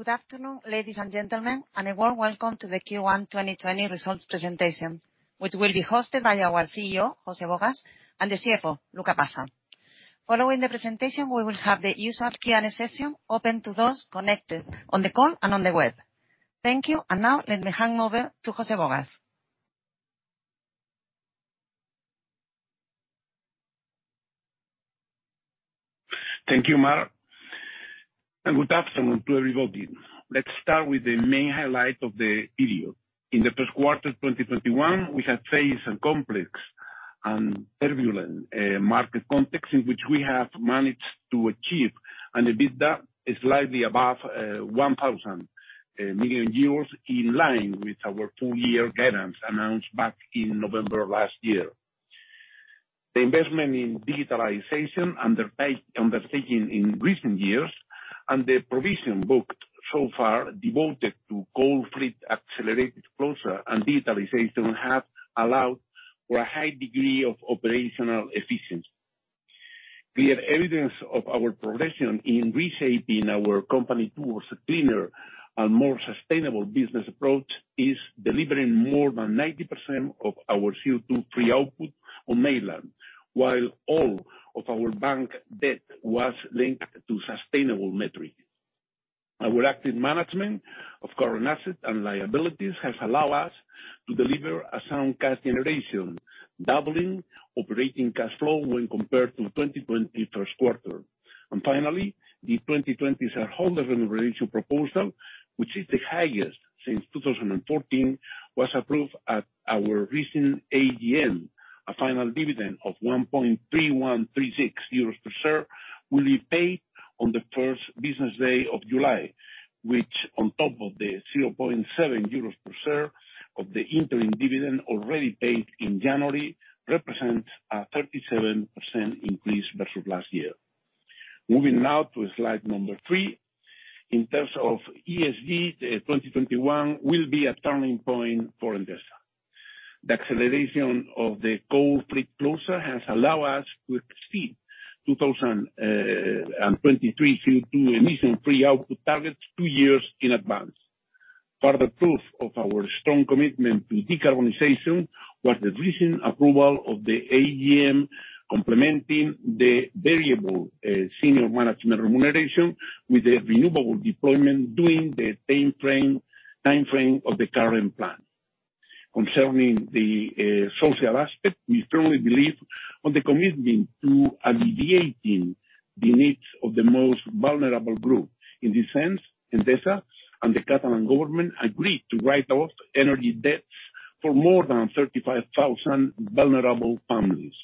Good afternoon, ladies and gentlemen, and a warm welcome to the Q1 2021 results presentation, which will be hosted by our CEO, José Bogas, and the CFO, Luca Passa. Following the presentation, we will have the usual Q&A session open to those connected on the call and on the web. Thank you, and now let me hand over to José Bogas. Thank you, Mar, good afternoon to everybody. Let's start with the main highlight of the video. In the first quarter of 2021, we have faced a complex and turbulent market context in which we have managed to achieve an EBITDA slightly above 1,000 million euros, in line with our two-year guidance announced back in November last year. The investment in digitalization undertaken in recent years and the provision booked so far devoted to coal fleet accelerated closure and digitalization have allowed for a high degree of operational efficiency. Clear evidence of our progression in reshaping our company towards a cleaner and more sustainable business approach is delivering more than 90% of our CO₂-free output on the mainland, while all of our bank debt was linked to sustainable metrics. Our active management of current assets and liabilities has allowed us to deliver sound cash generation, doubling operating cash flow when compared to the 2020 first quarter. Finally, the 2020 shareholders' remuneration proposal, which is the highest since 2014, was approved at our recent AGM. A final dividend of 1.3136 euros per share will be paid on the first business day of July, which, on top of the 0.7 euros per share of the interim dividend already paid in January, represents a 37% increase versus last year. To slide number three. In terms of ESG, 2021 will be a turning point for Endesa. The acceleration of the coal-fleet closure has allowed us to exceed 2023 CO₂ emission-free output targets two years in advance. Further proof of our strong commitment to decarbonization was the recent approval of the AGM complementing the variable senior management remuneration with the renewable deployment during the timeframe of the current plan. Concerning the social aspect, we firmly believe in the commitment to alleviating the needs of the most vulnerable group. In this sense, Endesa and the Catalan government agreed to write off energy debts for more than 35,000 vulnerable families.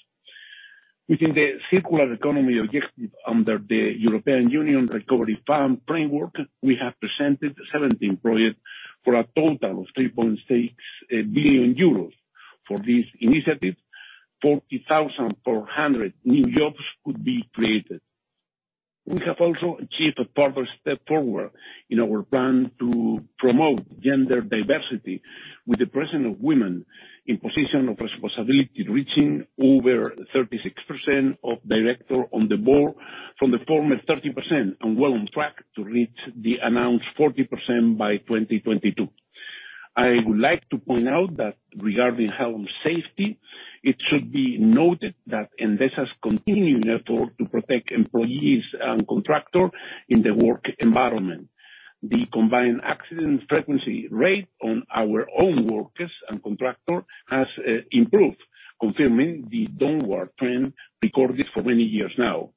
Within the circular economy objective under the European Union Recovery Fund framework, we have presented 17 projects for a total of 3.6 billion euros. For this initiative, 40,400 new jobs could be created. We have also achieved a further step forward in our plan to promote gender diversity with the presence of women in positions of responsibility, reaching over 36% of directors on the board from the former 30% and well on track to reach the announced 40% by 2022. I would like to point out that regarding health safety, it should be noted that Endesa is continuing its effort to protect employees and contractors in the work environment. The combined accident frequency rate of our own workers and contractors has improved, confirming the downward trend recorded for many years now.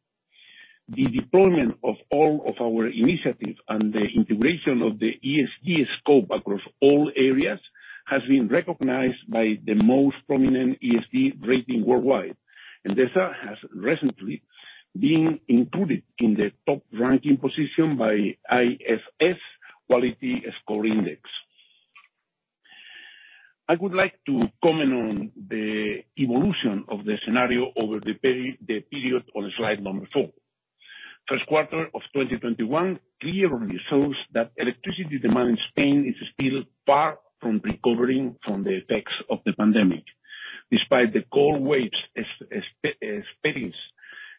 The deployment of all of our initiatives and the integration of the ESG scope across all areas have been recognized by the most prominent ESG rating worldwide. Endesa has recently been included in the top-ranking position by the ISS Quality Score Index. I would like to comment on the evolution of the scenario over the period on slide number four. First quarter of 2021 clearly shows that electricity demand in Spain is still far from recovering from the effects of the pandemic. Despite the cold waves experienced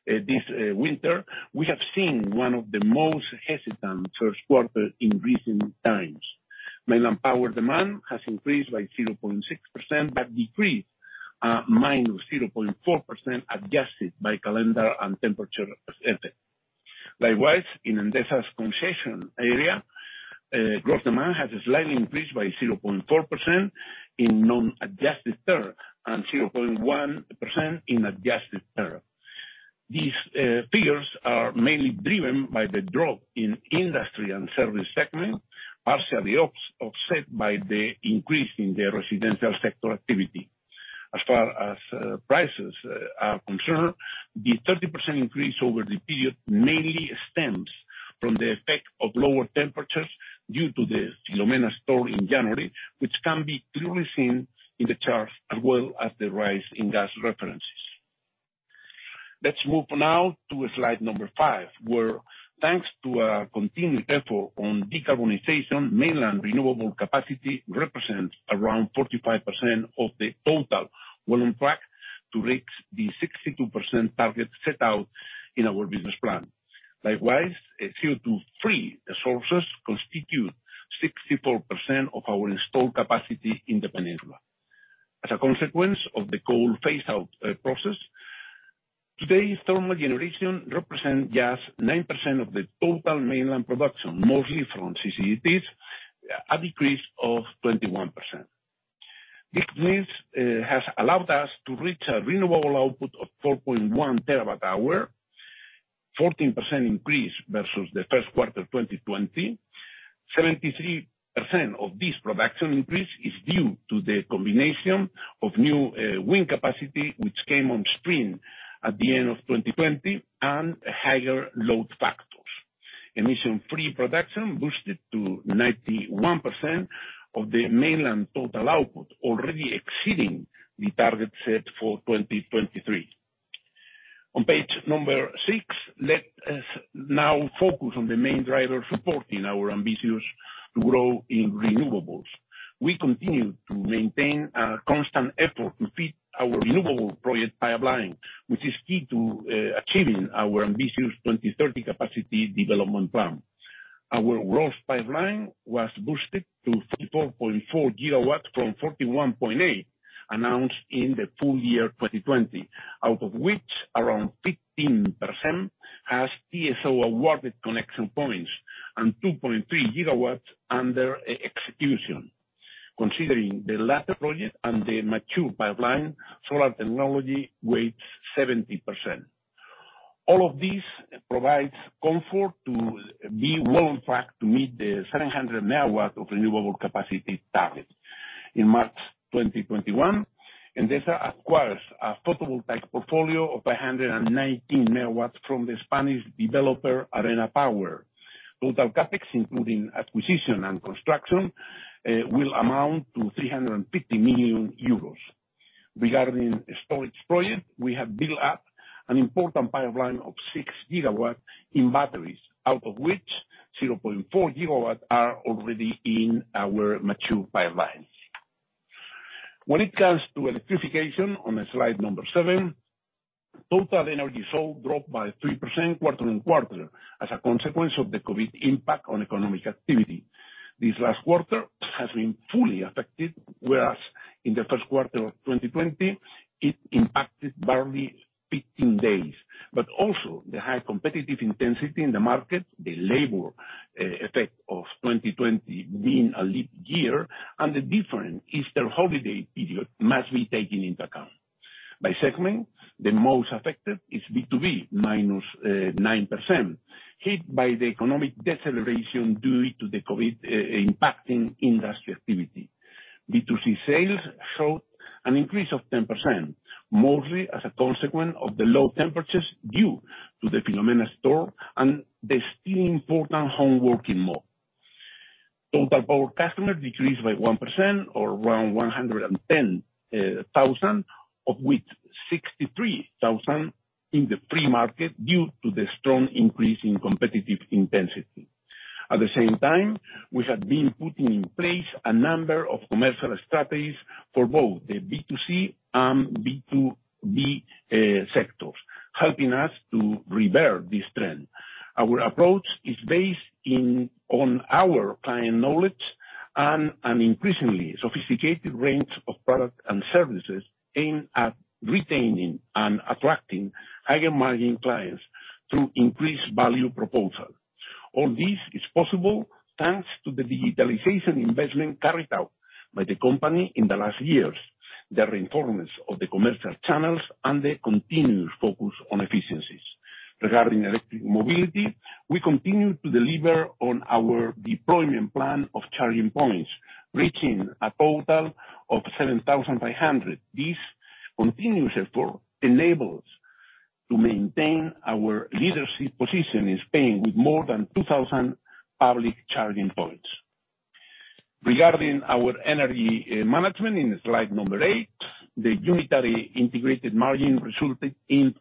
this winter, we have seen one of the most hesitant first quarters in recent times. Mainland power demand has increased by 0.6% but decreased by -0.4% when adjusted by calendar and temperature effects. Likewise, in Endesa's concession area, growth demand has slightly increased by 0.4% in non-adjusted term and 0.1% in adjusted term. These figures are mainly driven by the drop in industry and service segments, partially offset by the increase in residential sector activity. As far as prices are concerned, the 30% increase over the period mainly stems from the effect of lower temperatures due to the Filomena storm in January, which can be clearly seen in the chart, as well as the rise in gas references. Let's move now to slide number five. Thanks to our continued effort on decarbonization, mainland renewable capacity represents around 45% of the total, well on track to reach the 62% target set out in our business plan. Likewise, CO₂-free sources constitute 64% of our installed capacity in the peninsula. As a consequence of the coal phase-out process, today thermal generation represents just 9% of the total mainland production, mostly from CCGTs, a decrease of 21%. This mix has allowed us to reach a renewable output of 4.1TW hours, a 14% increase versus the first quarter of 2020. 73% of this production increase is due to the combination of new wind capacity, which came on stream at the end of 2020 and higher load factors. Emission-free production boosted to 91% of the mainland total output, already exceeding the target set for 2023. On page number six, let us now focus on the main driver supporting our ambitions to grow in renewables. We continue to maintain a constant effort to feed our renewable project pipeline, which is key to achieving our ambitious 2030 capacity development plan. Our ROF pipeline was boosted to 44.4GW from 41.8GW announced in the full year 2020, out of which around 15% has TSO-awarded connection points and 2.3GW under execution. Considering the latter project and the mature pipeline, solar technology weighs 70%. All of this provides comfort to be well on track to meet the 700MW of renewable capacity target. In March 2021, Endesa acquires a photovoltaic portfolio of 119MW from the Spanish developer Arena Power. Total CapEx, including acquisition and construction, will amount to 350 million euros. Regarding storage projects, we have built up an important pipeline of 6GW in batteries, out of which 0.4GW are already in our mature pipeline. When it comes to electrification on slide number seven, total energy sold dropped by 3% quarter-on-quarter as a consequence of the COVID impact on economic activity. This last quarter has been fully affected, whereas in the first quarter of 2020, it impacted barely 15 days. Also, the high competitive intensity in the market, the labor effect of 2020 being a leap year, and the different Easter holiday period must be taken into account. By segment, the most affected is B2B, -9%, hit by the economic deceleration due to COVID impacting industry activity. B2C sales showed an increase of 10%, mostly as a consequence of the low temperatures due to the Filomena storm and the still important homeworking mode. Total power customers decreased by 1%, or around 110,000, of which 63,000 in the free market due to the strong increase in competitive intensity. At the same time, we have been putting in place a number of commercial strategies for both the B2C and B2B sectors, helping us to reverse this trend. Our approach is based on our client knowledge and an increasingly sophisticated range of products and services aimed at retaining and attracting higher-margin clients through increased value proposals. All this is possible, thanks to the digitalization investment carried out by the company in the last years, the reinforcement of the commercial channels, and the continued focus on efficiencies. Regarding electric mobility, we continue to deliver on our deployment plan of charging points, reaching a total of 7,500. This continuous effort enables us to maintain our leadership position in Spain with more than 2,000 public charging points. Regarding our energy management in slide number eight, the unitary integrated margin resulted in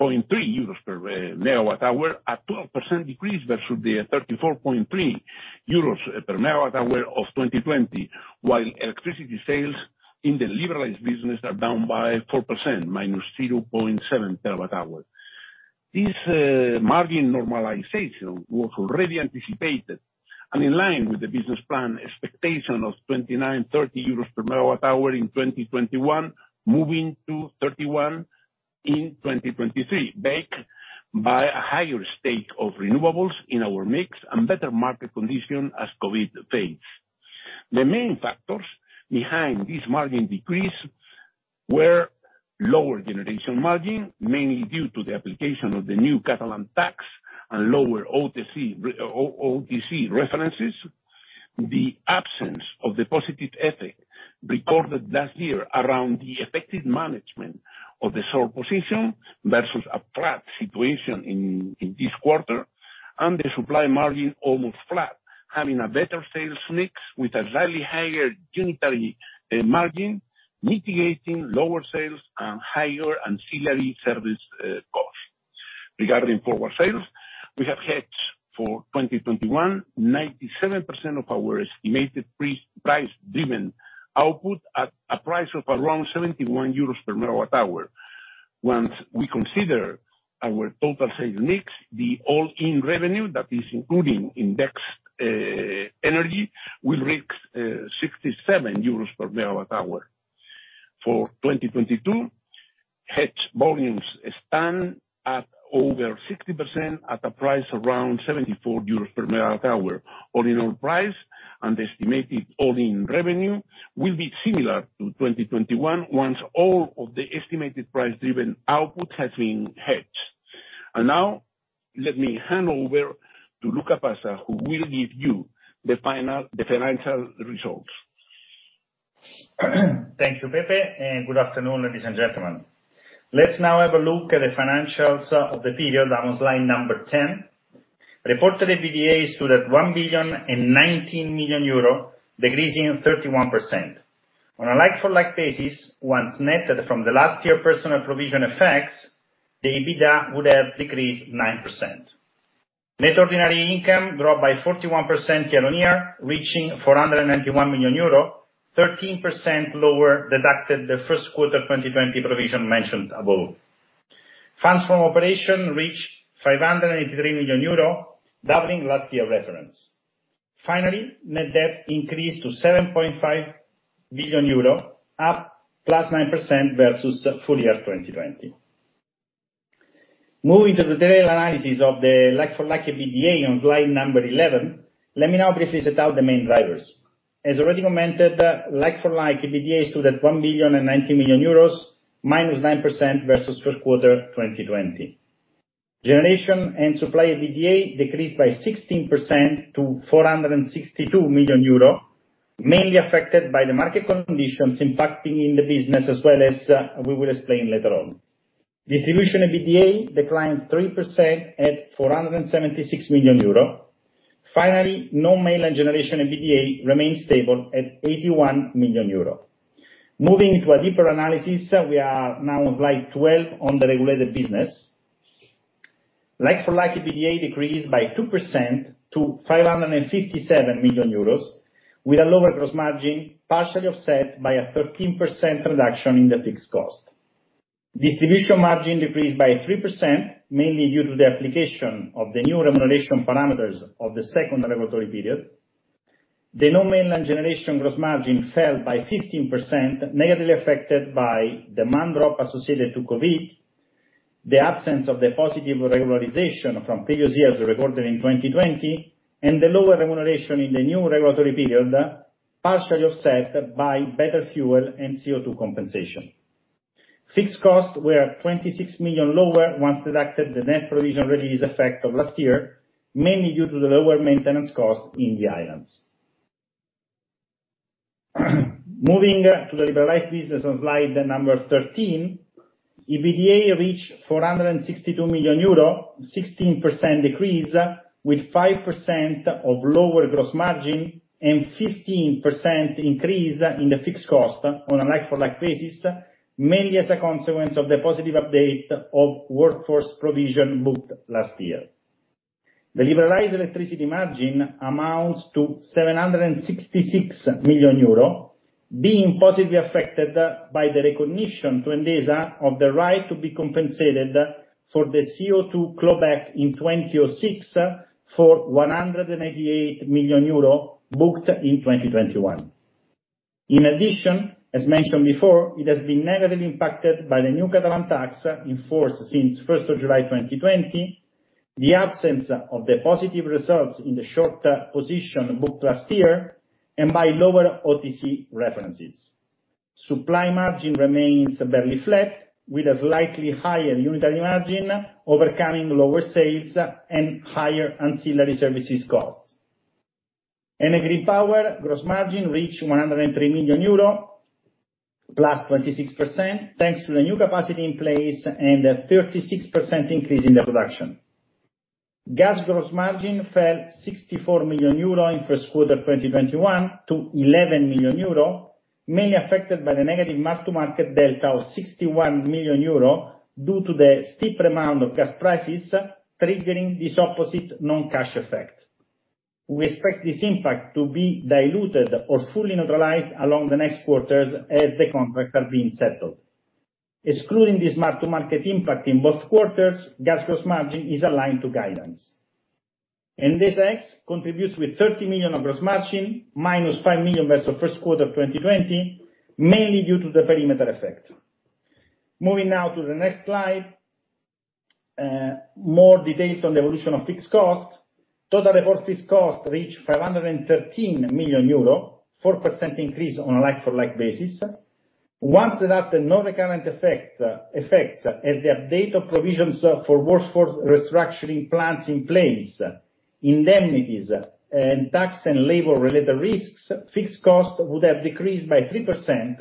30.3 euros per megawatt hour, a 12% decrease versus the 34.3 euros per megawatt hour of 2020, while electricity sales in the liberalized business are down by 4%, -0.7TW-hour. This margin normalization was already anticipated and in line with the business plan expectation of 29 euros, 30 euros per megawatt hour in 2021, moving to 31 in 2023, backed by a higher stake of renewables in our mix and better market conditions as COVID fades. The main factors behind this margin decrease were a lower generation margin, mainly due to the application of the new Catalan tax and lower OTC references, and the absence of the positive effect recorded last year around the effective management of the solar position versus a flat situation in this quarter. The supply margin is almost flat, having a better sales mix with a slightly higher unitary margin, mitigating lower sales and higher ancillary service costs. Regarding forward sales, we have hedged for 2021, 97% of our estimated price-driven output at a price of around 71 euros per kilowatt-hour. Once we consider our total sales mix, the all-in revenue, that is, including indexed energy, will reach 67 euros per kilowatt hour. For 2022, hedged volumes stand at over 60% at a price around 74 euros per kilowatt hour. All-in on price and estimated all-in revenue will be similar to 2021 once all of the estimated price-driven output has been hedged. Now, let me hand over to Luca Passa, who will give you the financial results. Thank you, Pepe. Good afternoon, ladies and gentlemen. Let's now have a look at the financials of the period on slide number 10. Reported EBITDA stood at 1,019 million euro, decreasing 31%. On a like-for-like basis, once netted from last year's personal provision effects, the EBITDA would have decreased 9%. Net ordinary income dropped by 41% year-on-year, reaching 491 million euro, 13% lower deducted the first quarter 2020 provision mentioned above. Funds from operation reached 583 million euro, doubling last year's reference. Finally, net debt increased to 7.5 billion euro, up +9% versus full year 2020. Moving to the detailed analysis of the like-for-like EBITDA on slide number 11, let me now briefly set out the main drivers. As already commented, like-for-like EBITDA stood at 1,019 million euros, -9% versus first quarter 2020. Generation and supply EBITDA decreased by 16% to 462 million euro, mainly affected by the market conditions impacting the business as well, as we will explain later on. Distribution EBITDA declined 3% at 476 million euro. Finally, non-mainland generation EBITDA remains stable at 81 million euro. Moving to a deeper analysis, we are now on slide 12 on the regulated business. Like-for-like EBITDA decreased by 2% to 557 million euros, with a lower gross margin, partially offset by a 13% reduction in the fixed costs. Distribution margin decreased by 3%, mainly due to the application of the new remuneration parameters of the second regulatory period. The non-mainland generation gross margin fell by 15%, negatively affected by the demand drop associated with COVID, the absence of the positive regularization from previous years recorded in 2020, and the lower remuneration in the new regulatory period, partially offset by better fuel and CO₂ compensation. Fixed costs were 26 million lower once the net provision release effect of last year was deducted, mainly due to the lower maintenance cost in the islands. Moving to the liberalized business on slide number 13, EBITDA reached 462 million euro, a 16% decrease with a 5% lower gross margin and a 15% increase in the fixed cost on a like-for-like basis, mainly as a consequence of the positive update of workforce provision booked last year. The liberalized electricity margin amounts to 766 million euro, being positively affected by the recognition to Endesa of the right to be compensated for the CO₂ clawback in 2006 for 188 million euro booked in 2021. In addition, as mentioned before, it has been negatively impacted by the new Catalan tax in force since the 1st of July, 2020; the absence of the positive results in the short position booked last year, and lower OTC references. Supply margin remains barely flat, with a slightly higher unitary margin, overcoming lower sales and higher ancillary services costs. Enel Green Power's gross margin reached 103 million euro, +26%, thanks to the new capacity in place and a 36% increase in production. Gas gross margin fell 64 million euro in the first quarter of 2021 to 11 million euro, mainly affected by the negative mark-to-market delta of 61 million euro due to the steep amount of gas prices triggering this opposite non-cash effect. We expect this impact to be diluted or fully neutralized in the next quarters as the contracts are being settled. Excluding this mark-to-market impact in both quarters, gas gross margin is aligned to guidance. Endesa X contributes with 30 million of gross margin, -5 million versus the first quarter of 2020, mainly due to the perimeter effect. Moving now to the next slide. More details on the evolution of fixed costs. Total reported fixed costs reach 513 million euro, a 4% increase on a like-for-like basis. Once without the non-recurrent effects, such as the update of provisions for workforce restructuring plans in place and indemnities and tax- and labor-related risks, fixed costs would have decreased by 3%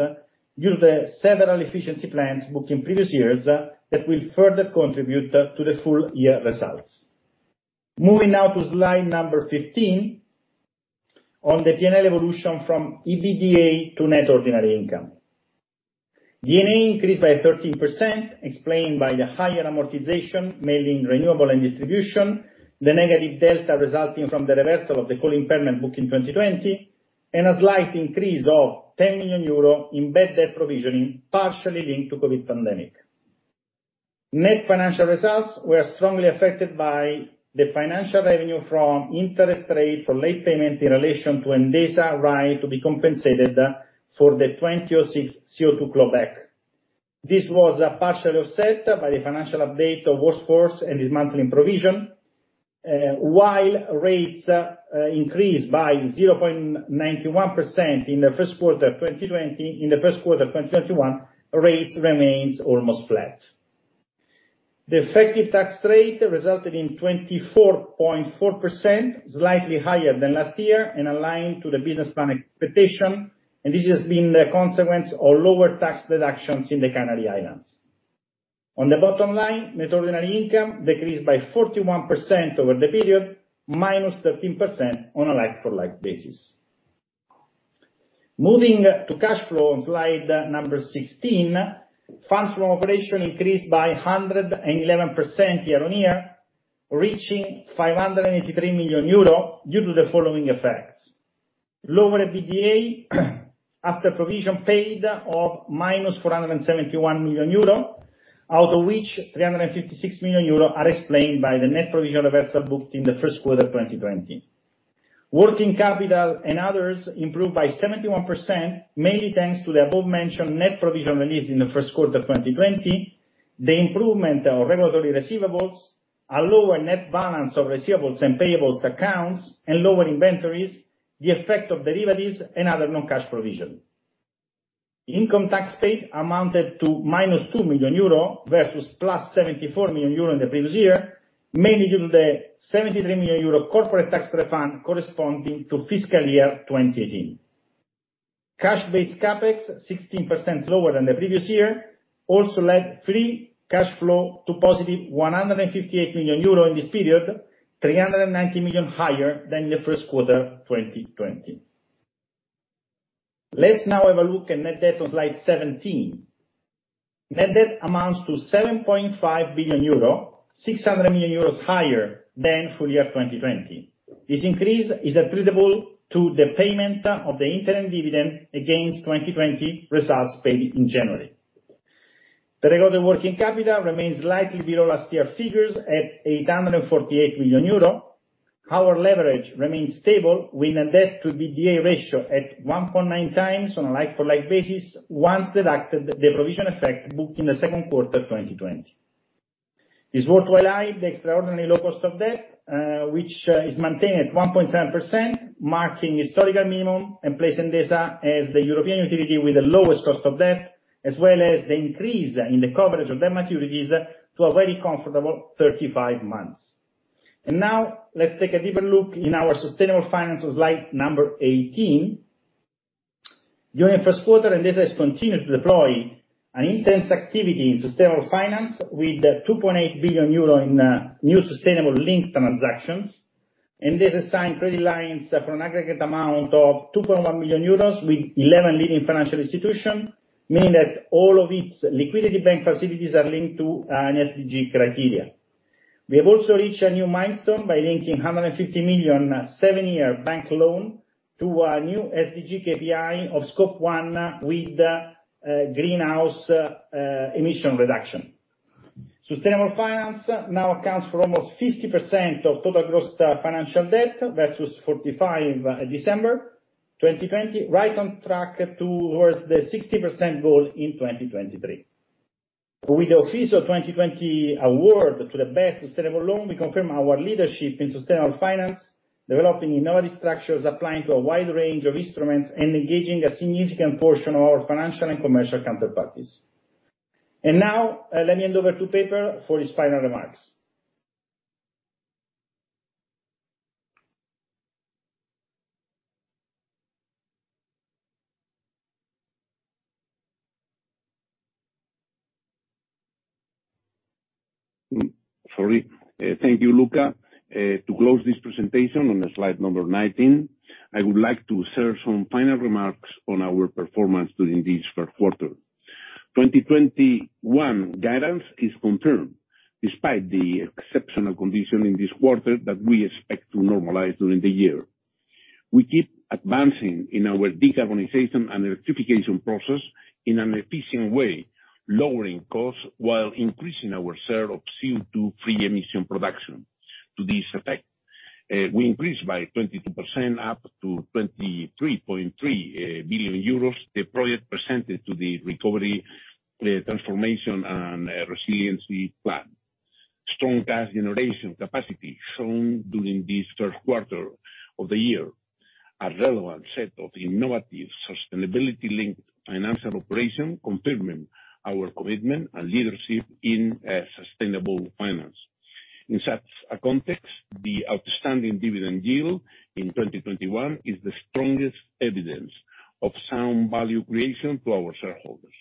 due to the several efficiency plans booked in previous years that will further contribute to the full-year results. Moving now to slide number 15, on the P&L evolution from EBITDA to net ordinary income. D&A increased by 13%, explained by the higher amortization, mainly in renewable and distribution, the negative delta resulting from the reversal of the coal impairment book in 2020, and a slight increase of 10 million euro in bad debt provisioning, partially linked to the COVID pandemic. Net financial results were strongly affected by the financial revenue from interest rates for late payment in relation to Endesa's right to be compensated for the 2006 CO₂ clawback. This was partially offset by the financial update of the workforce and dismantling provisions. While rates increased by 0.91% in the first quarter of 2021, rates remain almost flat. The effective tax rate resulted in 24.4%, slightly higher than last year and aligned to the business plan expectation, this has been a consequence of lower tax deductions in the Canary Islands. On the bottom line, net ordinary income decreased by 41% over the period, or -13% on a like-for-like basis. Moving to cash flow on slide number 16, funds from operation increased by 111% year-on-year, reaching 583 million euro due to the following effects. Lower EBITDA after provision paid of -471 million euro, out of which 356 million euro is explained by the net provision reversal booked in the first quarter of 2020. Working capital and others improved by 71%, mainly thanks to the above-mentioned net provision released in the first quarter of 2020, the improvement of regulatory receivables, a lower net balance of receivables and payables accounts, lower inventories, and the effect of derivatives and other non-cash provisions. Income tax paid amounted toEUR -2 million versus +74 million euro in the previous year, mainly due to the 73 million euro corporate tax refund corresponding to fiscal year 2018. Cash-based CapEx, 16% lower than the previous year, also led free cash flow to a positive 158 million euro in this period, 390 million higher than in the first quarter of 2020. Let's now have a look at net debt on slide 17. Net debt amounts to 7.5 billion euro, 600 million euros higher than for the full year 2020. This increase is attributable to the payment of the interim dividend against 2020 results paid in January. The regular working capital remains slightly below last year's figures at 848 million euro. Our leverage remains stable, with a debt to EBITDA ratio at 1.9 times on a like-for-like basis once the provision effect is booked in the second quarter of 2020. It's worth highlighting the extraordinary low cost of debt, which is maintained at 1.7%, marking a historical minimum and placing Endesa as the European utility with the lowest cost of debt, as well as the increase in the coverage of debt maturities to a very comfortable 35 months. Now, let's take a deeper look at our sustainable finance on slide number 18. During the first quarter, Endesa has continued to deploy intense activity in sustainable finance with 2.8 billion euro in new sustainable-linked transactions. Endesa signed credit lines for an aggregate amount of 2.1 million euros with 11 leading financial institutions, meaning that all of its liquidity bank facilities are linked to SDG criteria. We have also reached a new milestone by linking a 150 million, seven-year bank loan to a new SDG KPI of Scope 1 with greenhouse emission reduction. Sustainable finance now accounts for almost 50% of total gross financial debt versus 45% in December 2020, right on track towards the 60% goal in 2023. With the official 2020 Award for the Best Sustainable Loan, we confirm our leadership in sustainable finance, developing innovative structures, applying to a wide range of instruments, and engaging a significant portion of our financial and commercial counterparties. Now, let me hand over to Pepe for his final remarks. Thank you, Luca. To close this presentation on slide 19, I would like to share some final remarks on our performance during this first quarter. 2021 guidance is confirmed despite the exceptional condition in this quarter that we expect to normalize during the year. We keep advancing in our decarbonization and electrification process in an efficient way, lowering costs while increasing our share of CO₂-free emission production. To this effect, we increased by 22% up to 23.3 billion euros, the project percentage to the Recovery, Transformation, and Resiliency Plan. Strong cash generation capacity shown during this first quarter of the year. A relevant set of innovative sustainability-linked financial operations confirming our commitment and leadership in sustainable finance. In such a context, the outstanding dividend yield in 2021 is the strongest evidence of sound value creation to our shareholders.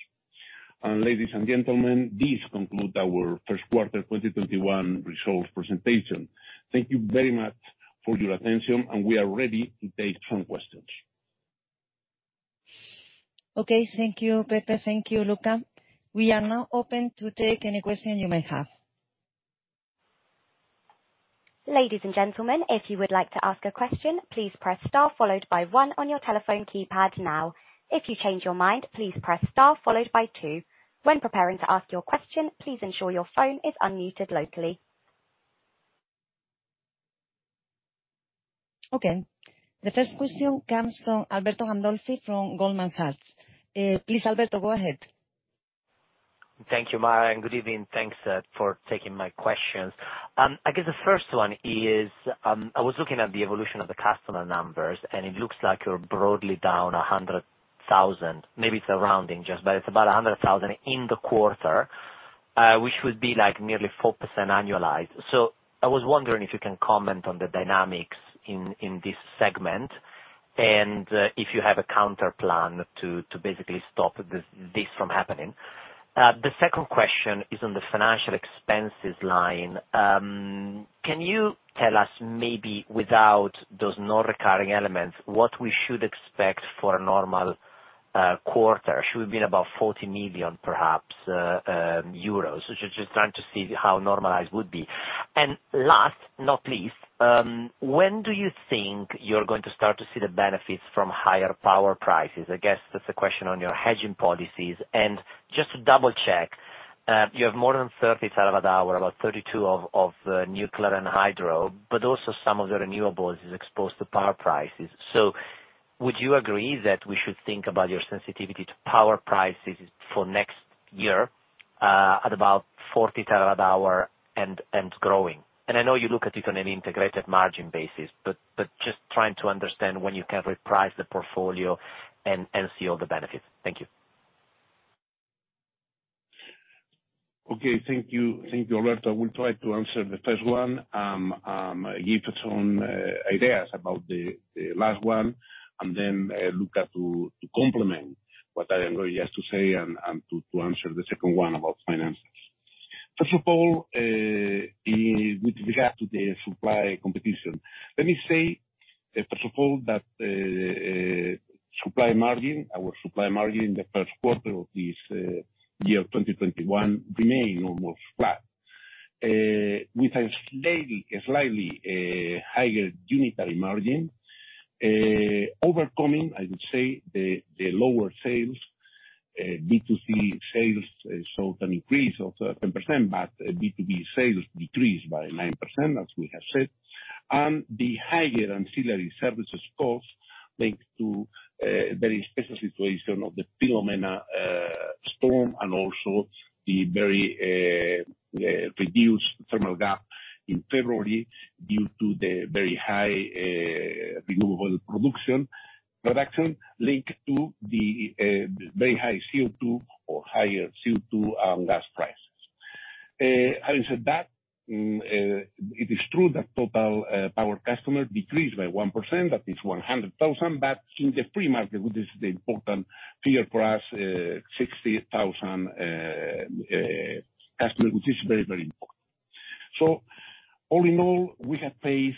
Ladies and gentlemen, this concludes our first quarter 2021 results presentation. Thank you very much for your attention, and we are ready to take some questions. Okay. Thank you, Pepe. Thank you, Luca. We are now open to take any question you may have. Ladies and gentlemen, if you would like to ask a question, please press the star followed by one on your telephone keypad now. If you change your mind, please press star followed by two. When preparing to ask your question, please ensure your phone is unmuted locally. Okay. The first question comes from Alberto Gandolfi from Goldman Sachs. Please, Alberto, go ahead. Thank you, Mar, and good evening. Thanks for taking my questions. I guess the first one is I was looking at the evolution of the customer numbers, and it looks like you're broadly down 100,000. Maybe it's a rounding, but it's about 100,000 in the quarter, which would be nearly 4% annually. I was wondering if you can comment on the dynamics in this segment and if you have a counter plan to basically stop this from happening. The second question is on the financial expenses line. Can you tell us maybe without those non-recurring elements what we should expect for a normal quarter? Should have been about 40 million euros, perhaps. Just trying to see how normalized it would be. Last, not least, when do you think you're going to start to see the benefits from higher power prices? I guess that's a question on your hedging policies. Just to double-check, you have more than 30TW hour, about 32 of nuclear and hydro, but also some of the renewables are exposed to power prices. Would you agree that we should think about your sensitivity to power prices for next year, at about 40TW hours and growing? I know you look at it on an integrated margin basis, but just trying to understand when you can reprice the portfolio and see all the benefits. Thank you. Okay. Thank you, Alberto. I will try to answer the first one. Give us some ideas about the last one, then Luca can complement what I am going to say and answer the second one about finances. First of all, with regard to the supply competition, let me say, first of all, that the supply margin, our supply margin in the first quarter of this year 2021 remained almost flat, with a slightly higher unitary margin, overcoming, I would say, the lower sales. B2C sales saw an increase of 10%, but B2B sales decreased by 9%, as we have said. The higher ancillary services cost is linked to the very special situation of the Filomena storm and also the very reduced thermal gap in February due to the very high renewable production linked to the very high CO₂ or higher CO₂ gas prices. Having said that, it is true that total power customers decreased by 1%, that is, 100,000, but in the free market, which is the important tier for us, there are 60,000 customers, which is very, very important. All in all, we have faced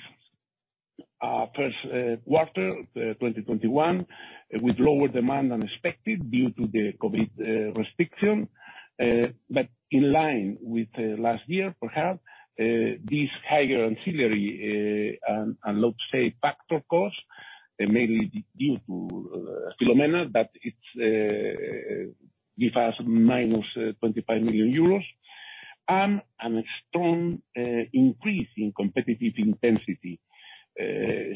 the first quarter of 2021 with lower demand than expected due to the COVID restrictions, but in line with last year, perhaps, this higher ancillary and, let's say, factor cost, mainly due to Filomena, leaves us with a EUR -25 million. A strong increase in competitive intensity.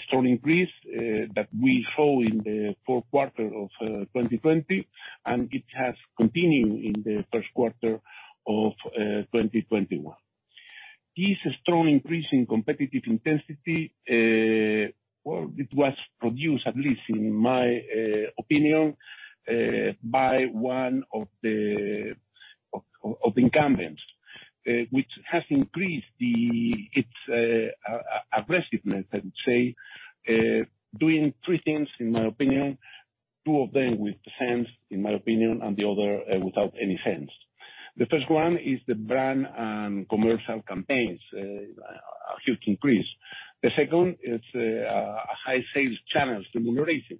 Strong increase that we saw in the fourth quarter of 2020, and it has continued in the first quarter of 2021. This strong increase in competitive intensity, well, it was produced, at least in my opinion, by one of the incumbents, which has increased its aggressiveness, I would say, doing three things, in my opinion, two of them with sense, in my opinion, and the other without any sense. The first one is the brand and commercial campaigns, a huge increase. The second is a high sales channel remuneration.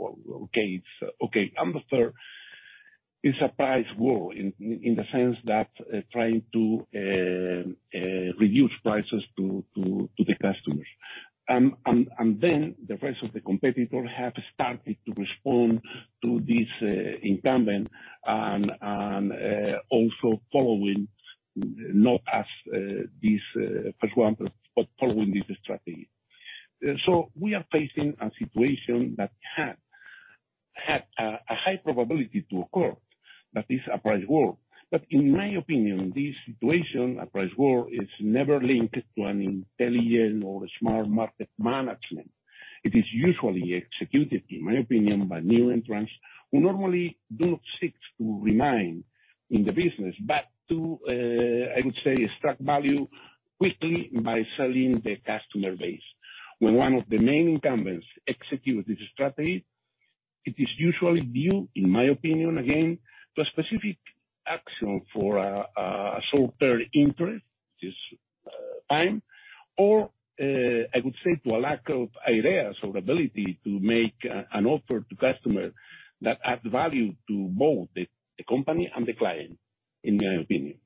Okay. The third is a price war in the sense of trying to reduce prices for the customers. The rest of the competitors have started to respond to this incumbent and are also following, not as this first one, but following this strategy. We are facing a situation that has a high probability to occur, that this is a price war. In my opinion, this situation, a price war, is never linked to intelligent or smart market management. It is usually executed, in my opinion, by new entrants who normally do not seek to remain in the business but to, I would say, extract value quickly by selling the customer base. When one of the main incumbents executes this strategy, it is usually due, in my opinion again, to a specific action for a short-term interest, which is time, or, I would say, to a lack of ideas or the ability to make an offer to customers that adds value to both the company and the client, in my opinion.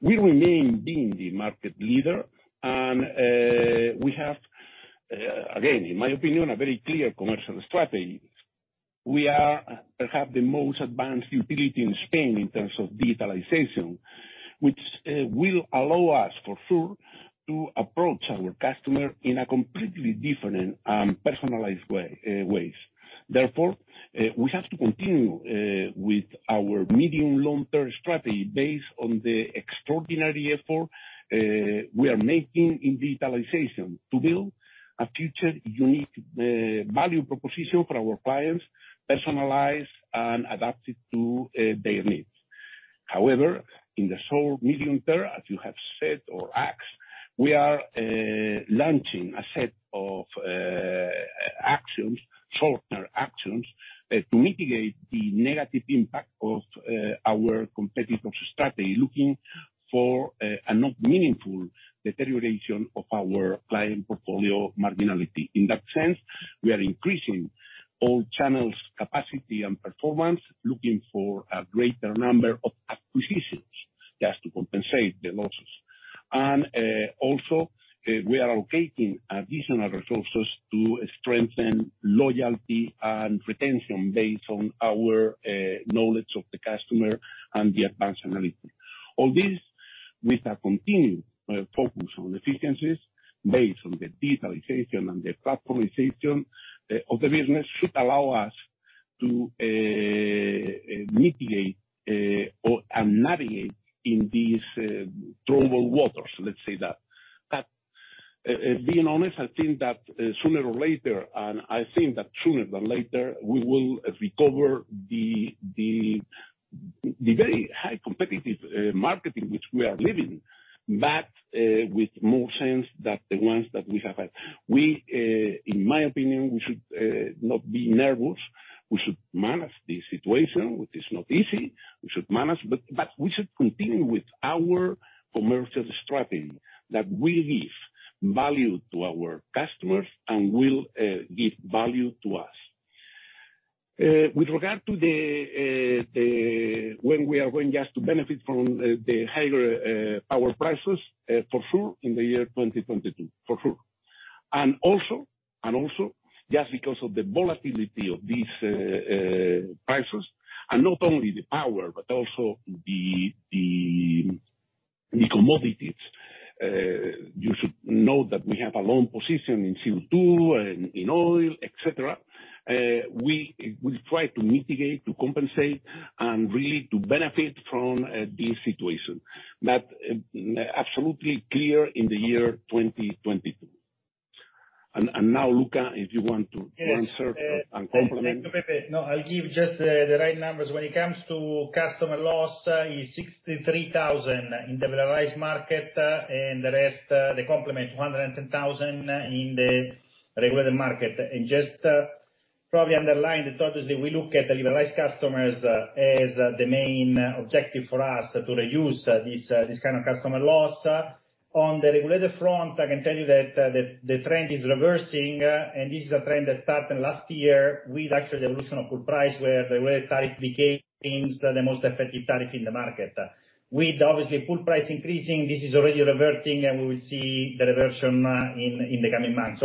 We remain being the market leader, and we have, again, in my opinion, a very clear commercial strategy. We have the most advanced utility in Spain in terms of digitalization, which will allow us, for sure, to approach our customer in completely different and personalized ways. Therefore, we have to continue with our medium- to long-term strategy based on the extraordinary effort we are making in digitalization to build a future unique value proposition for our clients, personalized and adapted to their needs. However, in the short to medium term, as you have said or asked, we are launching a set of actions, shorter actions, to mitigate the negative impact the most effective tariff in the market. Obviously the pool price is increasing, this is already reverting, and we will see the reversion in the coming months.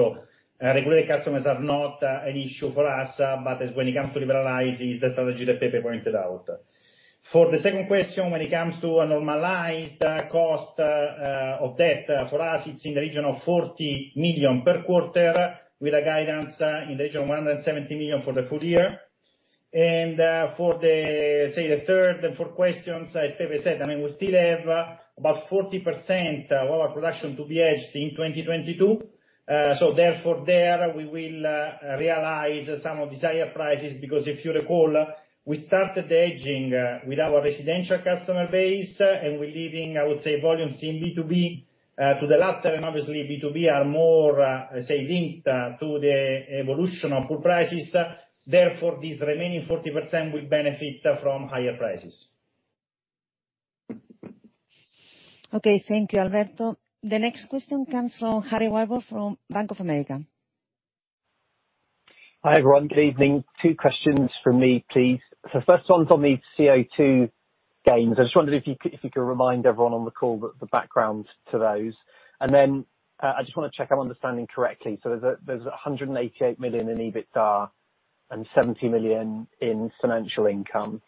Regulated customers are not an issue for us. When it comes to liberalizing, the strategy that Pepe pointed out. For the second question, when it comes to a normalized cost of debt, for us, it's in the region of 40 million per quarter, with a guidance in the region of 170 million for the full year. For the, say, third and fourth questions, as Pepe said, we still have about 40% of our production to be hedged in 2022. Therefore, there, we will realize some of these higher prices, because if you recall, we started hedging with our residential customer base, and we are leaving, I would say, volumes in B2B to the latter. Obviously, B2B is more, say, linked to the evolution of pool prices. Therefore, this remaining 40% will benefit from higher prices. Okay. Thank you, Alberto. The next question comes from Harry Wyburd from Bank of America. Hi, everyone. Good evening. Two questions from me, please. First one's on the CO₂ gains. I just wondered if you could remind everyone on the call of the background to those. I just want to check I'm understanding correctly. There's 188 million in EBITDA and 70 million in financial income,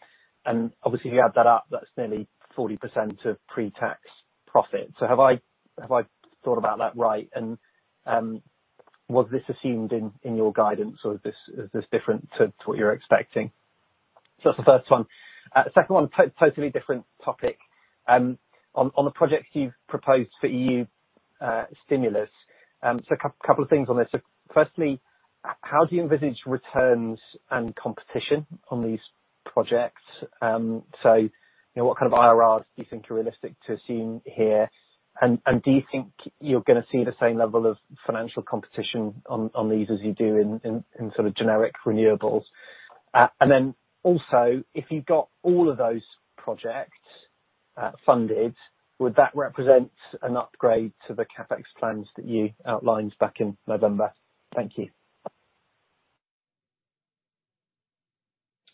and obviously if you add that up, that's nearly 40% of pre-tax profit. Have I thought about that right? Was this assumed in your guidance, or is this different from what you're expecting? That's the first one. Second one, totally different topic. On the projects you've proposed for EU stimulus, a couple of things on this. Firstly, how do you envisage returns and competition on these projects? What kind of IRRs do you think are realistic to assume here? Do you think you're going to see the same level of financial competition on these as you do in generic renewables? Also, if you got all of those projects funded, would that represent an upgrade to the CapEx plans that you outlined back in November? Thank you.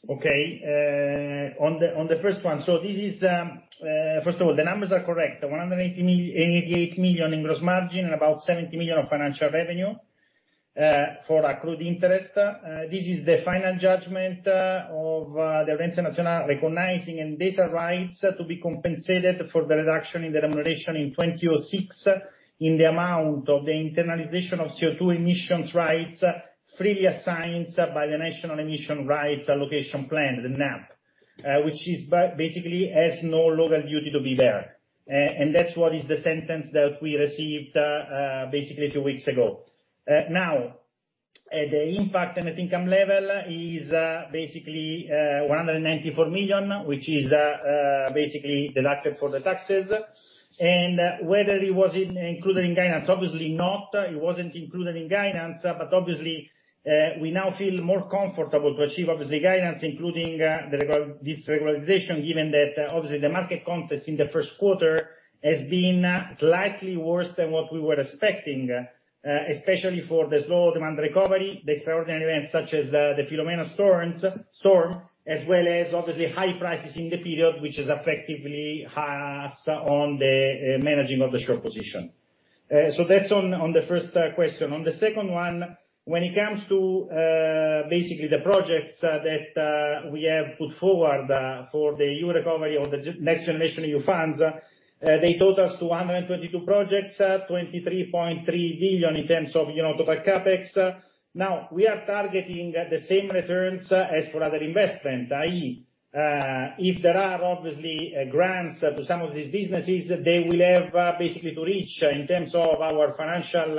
On the first one, first of all, the numbers are correct, 188 million in gross margin and about 70 million of financial revenue for accrued interest. This is the final judgment of the Audiencia Nacional recognizing Endesa's rights to be compensated for the reduction in the remuneration in 2006, in the amount of the internalization of CO₂ emissions rights freely assigned by the National Emission Rights Allocation Plan, the NERAP, which basically has no legal duty to be there. That's what the sentence that we received was, basically two weeks ago. The impact on the net income level is basically 194 million, which is basically deducted for the taxes. Whether it was included in guidance? obviously not, it wasn't included in guidance. Obviously, we now feel more comfortable achieving obvious guidance, including this regularization, given that obviously the market context in the first quarter has been slightly worse than what we were expecting, especially for the slow demand recovery and the extraordinary events such as the Filomena storm, as well as obviously high prices in the period, which has effectively has on the managing of the short position. That's on the first question. On the second one, when it comes to basically the projects that we have put forward for the EU Recovery or the NextGenerationEU funds, they total 122 projects, 23.3 billion in terms of total CapEx. Now, we are targeting the same returns as for other investments, i.e., if there are obviously grants to some of these businesses, they will have basically to reach, in terms of our financial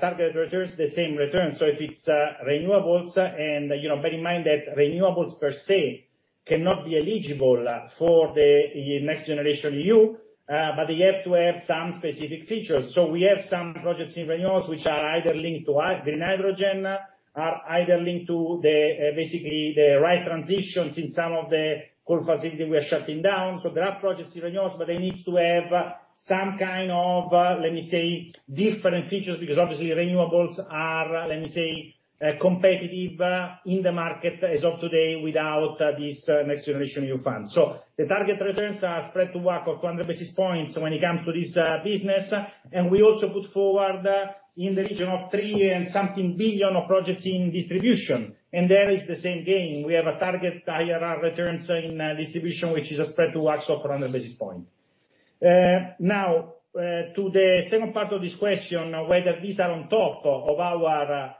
target returns, the same returns. If it's renewables, bear in mind that renewables per se cannot be eligible for the NextGenerationEU, but they have to have some specific features. We have some projects in renewables that are either linked to green hydrogen, are either linked to the right transitions in some of the coal facilities we are shutting down. There are projects in renewables, but they need to have some kind of, let me say, different features because obviously renewables are, let me say, competitive in the market as of today without these NextGenerationEU funds. The target returns are spread to around 100 basis points when it comes to this business. We also put forward in the region of three and something billion in projects in distribution. There is the same game. We have a target IRR return in distribution, which is a spread of around 100 basis points. To the second part of this question, whether these are on top of our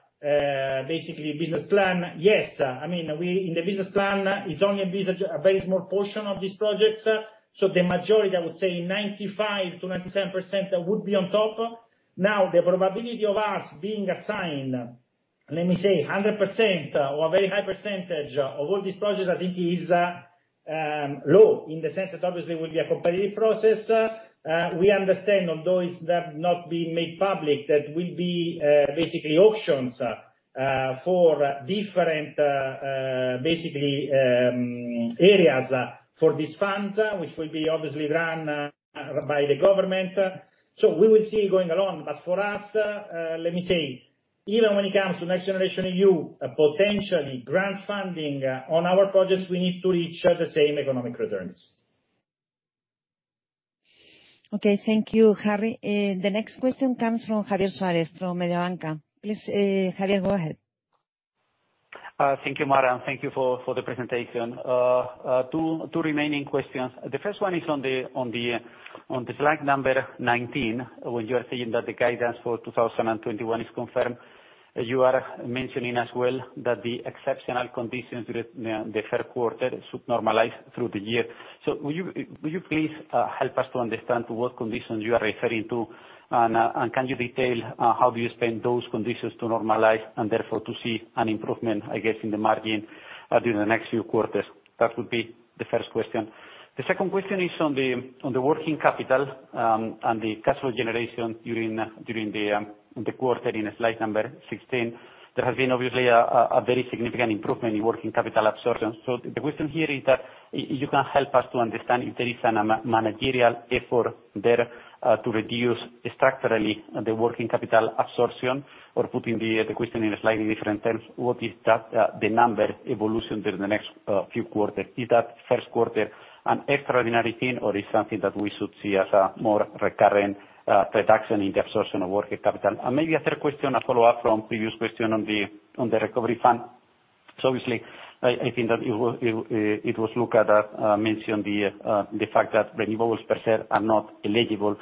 basically business plan, yes. I mean, in the business plan, it's only a very small portion of these projects. The majority, I would say 95%-97%, would be on top. The probability of us being assigned, let me say, 100% or a very high percentage of all these projects, I think, is low in the sense that obviously it will be a competitive process. We understand, although it has not been made public, that there will be basically auctions for different basically areas for these funds, which will be obviously run by the government. We will see how it goes along. For us, let me say, even when it comes to NextGenerationEU potentially granting funding for our projects, we need to reach the same economic returns. Okay, thank you, Harry. The next question comes from Javier Suárez, from Mediobanca. Please, Javier, go ahead. Thank you, Mar, and thank you for the presentation. Two remaining questions. The first one is on slide number 19, when you are saying that the guidance for 2021 is confirmed. You are mentioning as well that the exceptional conditions during the first quarter should normalize through the year. Would you please help us to understand what conditions you are referring to, and can you detail how you expect those conditions to normalize and therefore to see an improvement, I guess, in the margin during the next few quarters? That would be the first question. The second question is on the working capital and the cash flow generation during the quarter in slide number 16. There has obviously been a very significant improvement in working capital absorption. The question here is that you can help us to understand if there is a managerial effort there to reduce structurally the working capital absorption, or putting the question in slightly different terms, what is the number evolution during the next few quarters? Is that first quarter an extraordinary thing, or is it something that we should see as a more recurring reduction in the absorption of working capital? Maybe a third question, a follow-up from the previous question on the recovery fund. Obviously, I think that it was Luca that mentioned the fact that renewables per se are not eligible.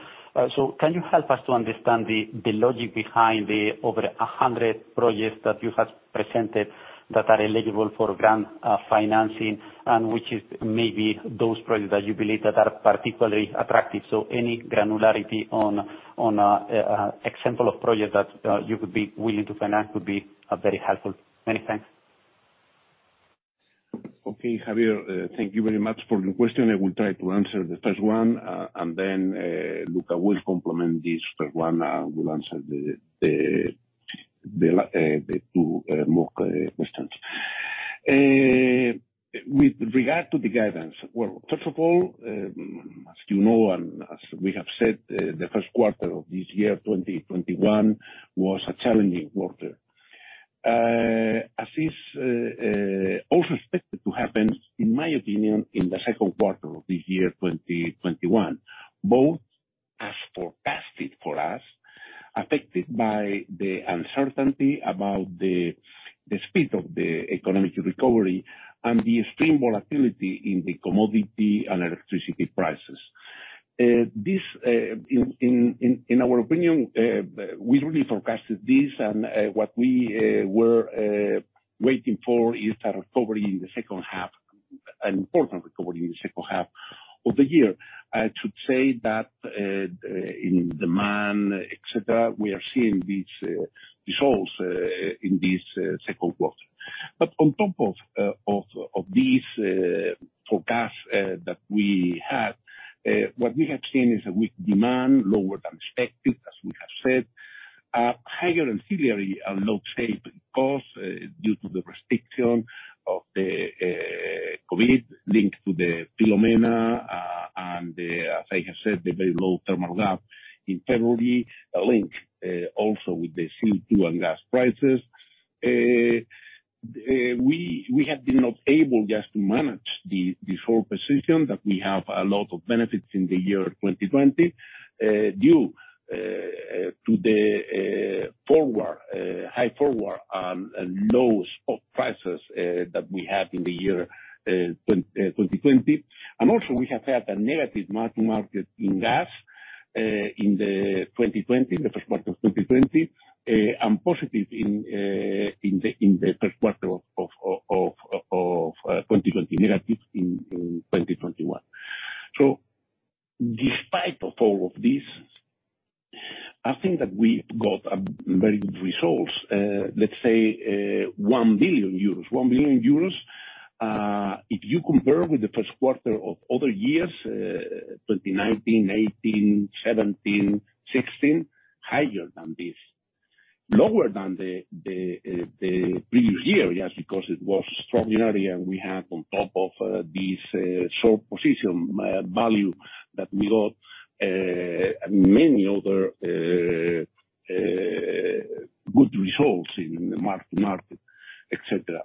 Can you help us to understand the logic behind the over 100 projects that you have presented that are eligible for grant financing, and which are maybe those projects that you believe are particularly attractive? Any granularity on an example of projects that you would be willing to finance would be very helpful. Many thanks. Okay, Javier, thank you very much for your question. I will try to answer the first one, and then Luca will complement this first one and answer the two more questions. With regard to the guidance, well, first of all, as you know, and as we have said, the first quarter of this year, 2021, was a challenging quarter. As is also expected to happen, in my opinion, in the second quarter of this year, 2021, as forecasted for us, affected by the uncertainty about the speed of the economic recovery and the extreme volatility in the commodity and electricity prices. In our opinion, we really forecasted this, and what we were waiting for is a recovery in the second half, an important recovery in the second half of the year. I should say that in demand, et cetera, we are seeing these results in this second quarter. On top of this forecast that we had, what we have seen is a weak demand, lower than expected, as we have said, higher ancillary and load-shaping costs due to the restriction of the COVID linked to Filomena; and, as I have said, the very low thermal gap in February, linked also with the CO₂ and gas prices. We have not been able just to manage the short position that we have a lot of benefits in the year 2020, due to the high forward and low spot prices that we had in the year 2020. Also, we have had a negative mark-to-market in gas in the first quarter of 2020, a positive in the first quarter of 2020, and a negative in 2021. Despite all of this, I think that we got very good results. Let's say 1 billion euros. 1 billion euros, if you compare it with the first quarter of other years, 2019, 2018, 2017, and 2016, is higher than this. Lower than the previous year, yes, because it was extraordinary, and we had, on top of this, a short position value that we got and many other good results in the mark-to-market, et cetera.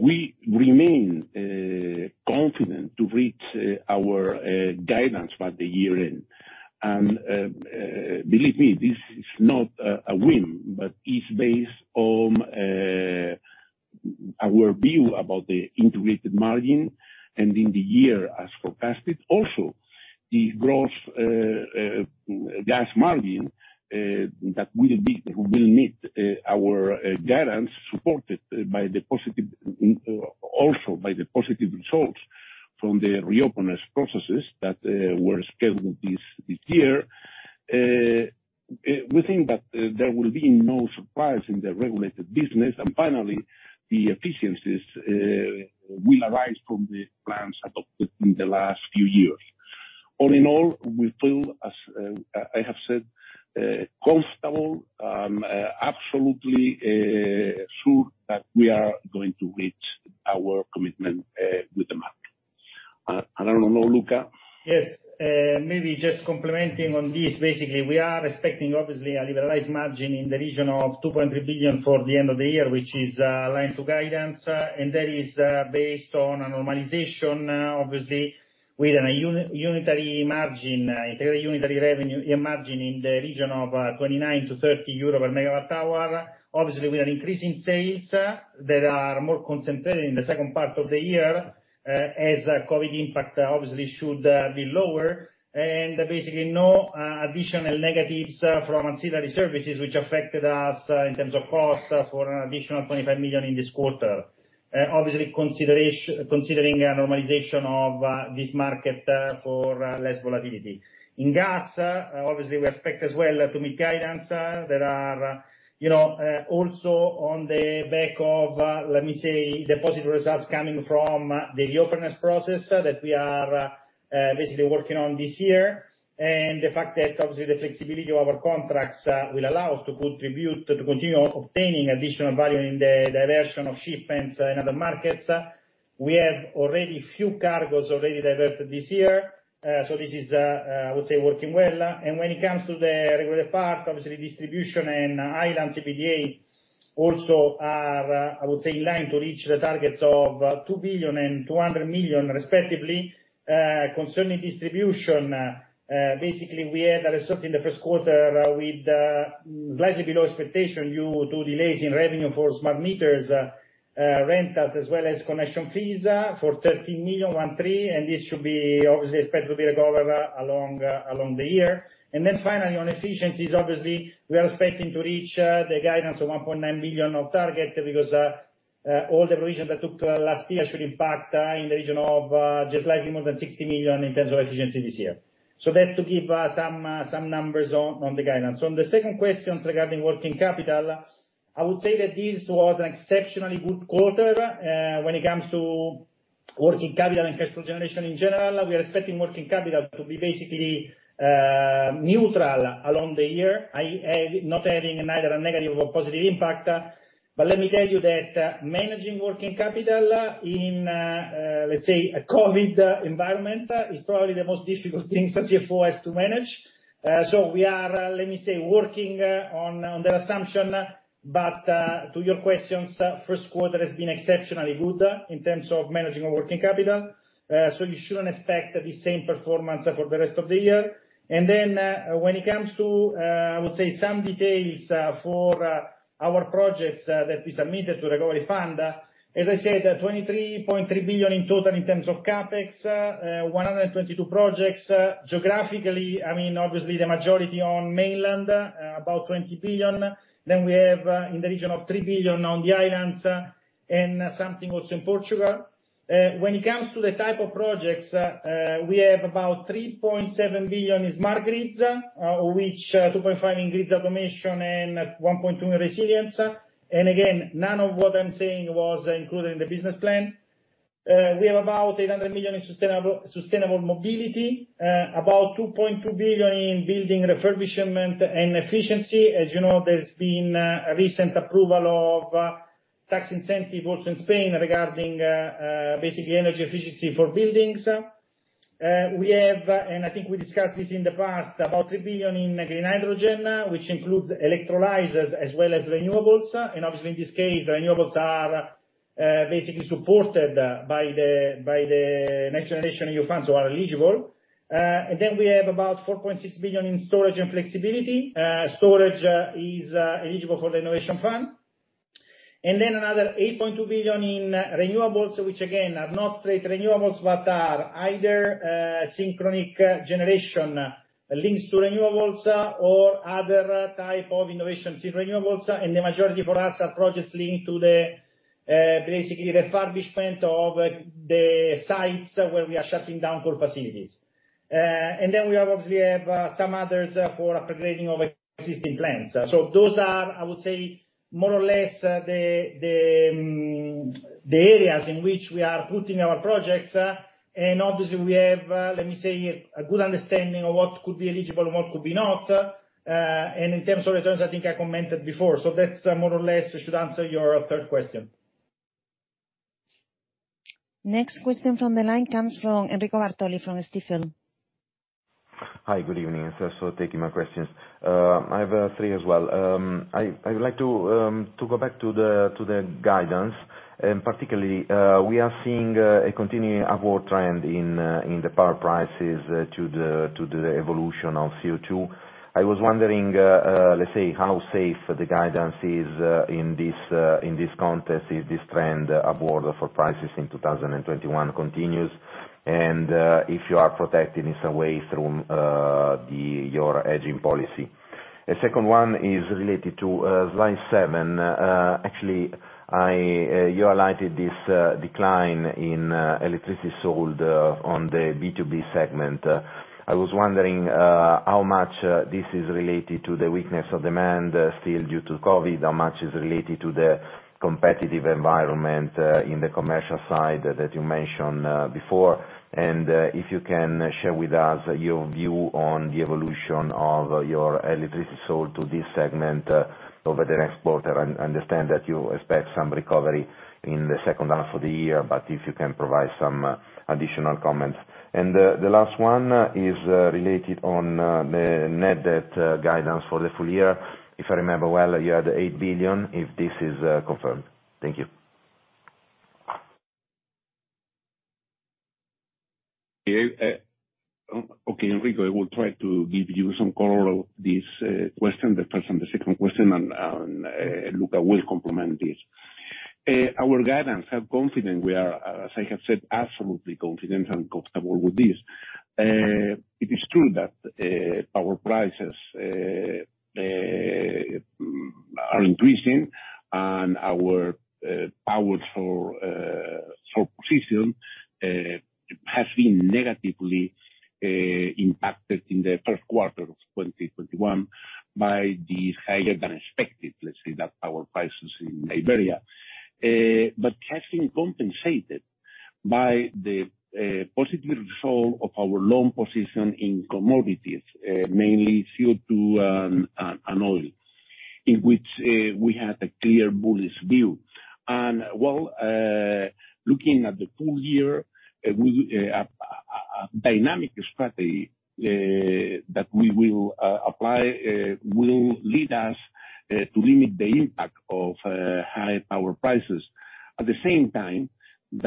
We remain confident to reach our goals by the year-end. Believe me, this is not a whim but is based on our view about the integrated margin and the year as forecasted. Also, the gross gas margin will meet our guidance, supported also by the positive results from the reopeners' processes that were scheduled this year. We think that there will be no surprise in the regulated business. Finally, the efficiencies will arise from the plans adopted in the last few years. All in all, we feel, as I have said, comfortable and absolutely sure that we are going to reach our commitment with the market. I don't know. Luca? Yes. Maybe just complementing this, basically, we are expecting obviously a liberalized margin in the region of 2.3 billion for the end of the year, which is aligned to guidance, and that is based on a normalization, obviously, with a unitary margin, an integrated unitary revenue margin in the region of 29-30 euro per MWh. Obviously, we are increasing sales that are more concentrated in the second part of the year, as COVID impact obviously should be lower and basically no additional negatives from ancillary services, which affected us in terms of cost for an additional 25 million in this quarter, obviously considering a normalization of this market for less volatility. In gas, obviously, we expect as well to meet guidance that is also on the back of, let me say, the positive results coming from the reopeners process that we are basically working on this year, and the fact that obviously the flexibility of our contracts will allow us to contribute to continue obtaining additional value in the diversion of shipments in other markets. We have already few cargos already diverted this year, so this is, I would say, working well. When it comes to the regulated part, obviously distribution and island CPDA also are, I would say, in line to reach the targets of 2 billion and 200 million, respectively. Concerning distribution, basically we had a result in the first quarter slightly below expectation due to delays in revenue for smart meters and rentals, as well as connection fees for 13 million. This should obviously be expected to be recovered along the year. Finally, on efficiencies, obviously, we are expecting to reach the guidance of 1.9 billion in target because all the provisions that took place last year should impact the region of just slightly more than 60 million in terms of efficiency this year. That is to give some numbers on the guidance. On the second question regarding working capital, I would say that this was an exceptionally good quarter when it comes to working capital and cash flow generation in general. We are expecting working capital to be basically neutral along the year, not having either a negative or positive impact. Let me tell you that managing working capital in, let me say, a COVID environment is probably the most difficult thing a CFO has to manage. We are, let me say, working on that assumption. To your questions, the first quarter has been exceptionally good in terms of managing our working capital. You shouldn't expect the same performance for the rest of the year. When it comes to, I would say, some details for our projects that we submitted to the Recovery Fund. As I said, 23.3 billion in total in terms of CapEx, 122 projects. Geographically, obviously, the majority is on the mainland, about 20 billion. We have in the region of 3 billion on the islands and something also in Portugal. When it comes to the type of projects, we have about 3.7 billion in smart grids, of which 2.5 billion is in grid automation and 1.2 billion is in resilience. Again, none of what I'm saying was included in the business plan. We have about 800 million in sustainable mobility and about 2.2 billion in building refurbishment and efficiency. As you know, there's been a recent approval of tax incentives also in Spain regarding basically energy efficiency for buildings. We have, and I think we discussed this in the past, about 3 billion in green hydrogen, which includes electrolyzers as well as renewables. Obviously in this case, renewables are basically supported by the NextGenerationEU funds that are eligible. Then we have about 4.6 billion in storage and flexibility. Storage is eligible for the innovation fund. Another 8.2 billion in renewables, which again are not straight renewables but are either synchronous generation links to renewables or other types of innovations in renewables, and the majority for us are projects linked to the basically refurbishment of the sites where we are shutting down coal facilities. We obviously have some others for the upgrading of existing plants. Those are, I would say, more or less the areas in which we are putting our projects. We have, let me say, a good understanding of what could be eligible and what could be not. In terms of returns, I think I commented before. That more or less should answer your third question. Next question from the line comes from Enrico Bartoli from Stifel. Hi. Good evening. Thanks for taking my questions. I have three as well. I would like to go back to the guidance. Particularly, we are seeing a continuing upward trend in the power prices and the evolution of CO₂. I was wondering, let's say, how safe the guidance is in this context if this trend upward for prices in 2021 continues and if you are protected in some way through your hedging policy? The second one is related to slide seven. Actually, you highlighted this decline in electricity sold on the B2B segment. I was wondering how much this is related to the weakness of demand still due to COVID, how much is related to the competitive environment in the commercial side that you mentioned before. If you can share with us your view on the evolution of your electricity sold to this segment over the next quarter. I understand that you expect some recovery in the second half of the year, but if you can provide some additional comments. The last one is related to the net debt guidance for the full year. If I remember well, you had 8 billion, if this is confirmed. Thank you. Okay, Enrico, I will try to give you some color on this question, the first and the second questions, and Luca will complement this. Our guidance: have confidence. We are, as I have said, absolutely confident and comfortable with this. It is true that power prices are increasing, and our power position has been negatively impacted in the first quarter of 2021 by the higher-than-expected, let's say that, power prices in Iberia. Cash was compensated by the positive result of our long position in commodities, mainly CO₂ and oil, in which we had a clear bullish view. Well, looking at the full year, a dynamic strategy that we will apply will lead us to limit the impact of high power prices. At the same time, we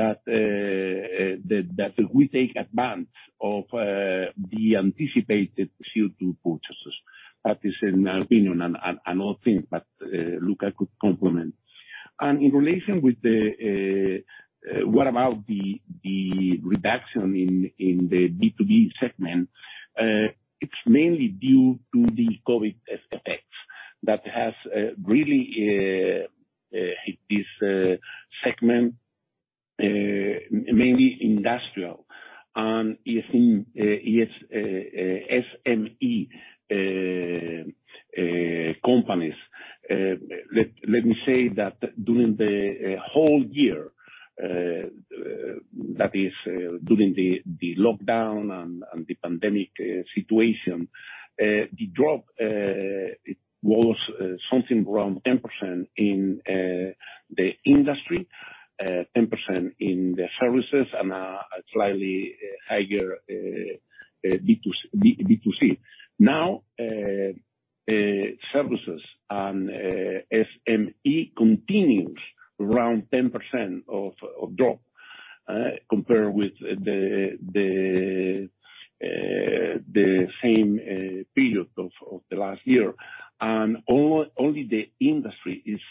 take advantage of the anticipated CO₂ purchases. That is an opinion and another thing Luca could complement. In relation to what about the reduction in the B2B segment? it's mainly due to the COVID effects that have really hit this segment, mainly industrial and SME companies. Let me say that during the whole year, that is, during the lockdown and the pandemic situation, the drop was something around 10% in the industry, 10% in the services, and slightly higher in B2C. Services and SMEs continue to drop around 10%, compared with the same period of last year. Only the industry is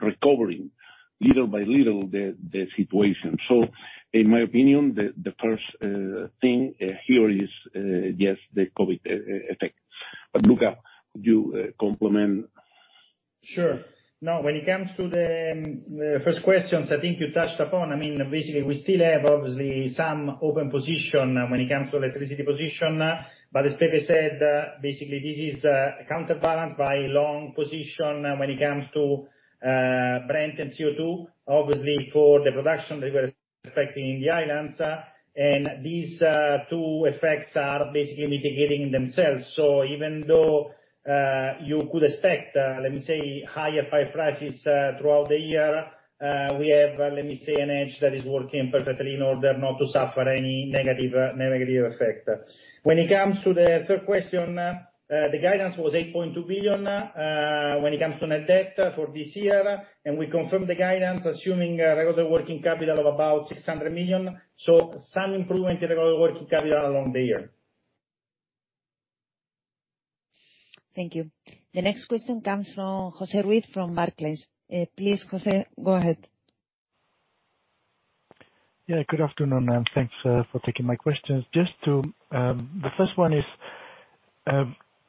recovering the situation little by little. In my opinion, the first thing here is, yes, the COVID effect. Luca, would you complement? Sure. When it comes to the first questions I think you touched upon, we still have some open positions when it comes to electricity positions. As Pepe said, this is counterbalanced by a long position when it comes to Brent and CO₂, obviously for the production that we are expecting in the islands. These two effects are mitigating each other. Even though you could expect higher prices throughout the year, we have an edge that is working perfectly in order not to suffer any negative effect. When it comes to the third question, the guidance was 8.2 billion when it comes to net debt for this year. We confirm the guidance, assuming a regular working capital of about 600 million. Some improvement in regular working capital along the year. Thank you. The next question comes from José Ruiz from Barclays. Please, José, go ahead. Good afternoon, and thanks for taking my questions. The first one is,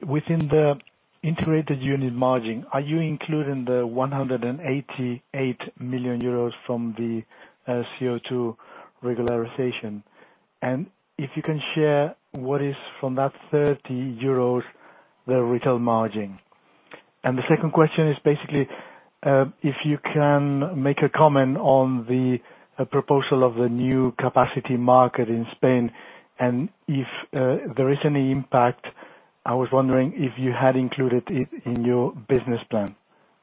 within the integrated unit margin, are you including the 188 million euros from the CO₂ regularization? If you can share what is from that 30 euros the retail margin? The second question is basically, if you can make a comment on the proposal of the new capacity market in Spain and if there is any impact, I was wondering if you had included it in your business plan.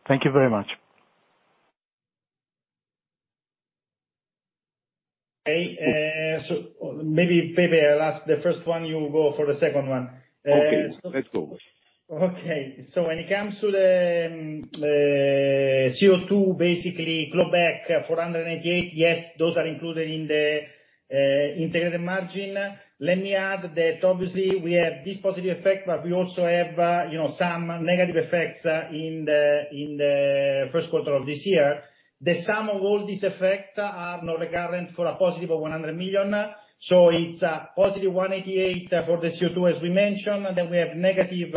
Thank you very much. Okay. Maybe, Pepe, I'll ask the first one, you go for the second one. Okay. Let's go. When it comes to the CO₂, going back to the 188, yes, those are included in the integrated margin. Let me add that obviously we have this positive effect, but we also have some negative effects in the first quarter of this year. The sum of all these effects is non-recurrent for a positive 100 million. It's a positive 188 for the CO₂, as we mentioned. We have a negative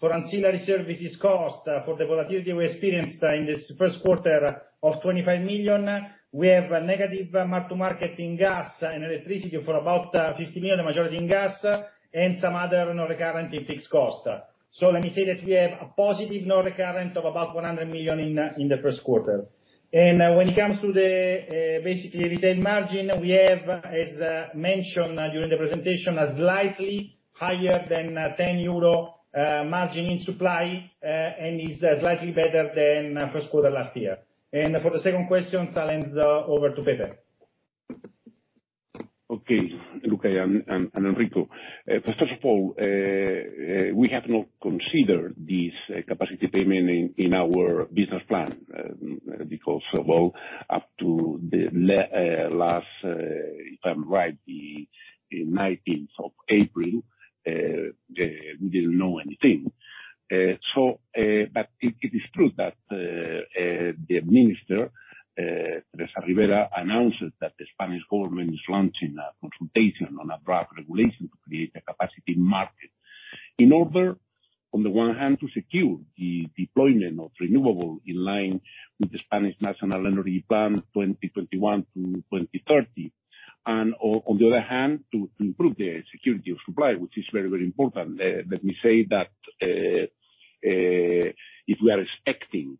for ancillary services costs for the volatility we experienced in this first quarter of 25 million. We have a negative mark to market in gas and electricity for about 50 million, the majority in gas, and some other non-recurring fixed costs. Let me say that we have a positive non-recurrence of about 100 million in the first quarter. When it comes to the basic retail margin, we have, as mentioned during the presentation, a slightly higher than 10 euro margin in supply, and it is slightly better than the first quarter last year. For the second question, I'll hand over to Pepe. Okay. Luca and Enrico. First of all, we have not considered this capacity payment in our business plan because, well, up to the last, if I'm right, the 19th of April, we didn't know anything. It is true that the Minister, Teresa Ribera, announced that the Spanish government is launching a consultation on a broad regulation to create a capacity market. In order, on the one hand, to secure the deployment of renewables in line with the Integrated National Energy and Climate Plan 2021-2030. On the other hand, to improve the security of supply, which is very important. Let me say that if we are expecting,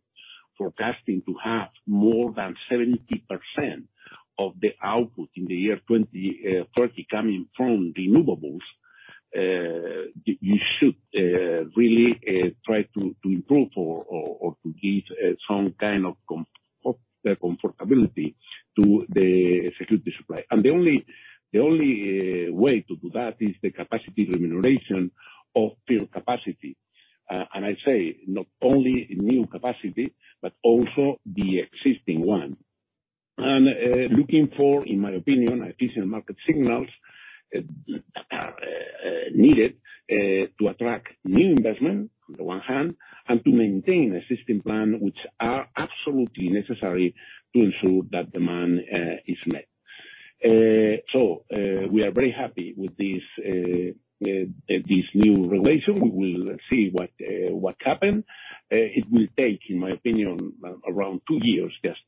forecasting, to have more than 70% of the output in the year 2030 coming from renewables, you should really try to improve or give some kind of comfort to the security of the supply. The only way to do that is the capacity remuneration of pure capacity. I say not only in the new capacity but also in the existing one and looking for, in my opinion, efficient market signals needed to attract new investment on the one hand and to maintain existing plants, which are absolutely necessary to ensure that demand is met. We are very happy with this new regulation. We will see what happens. It will take, in my opinion, around two years just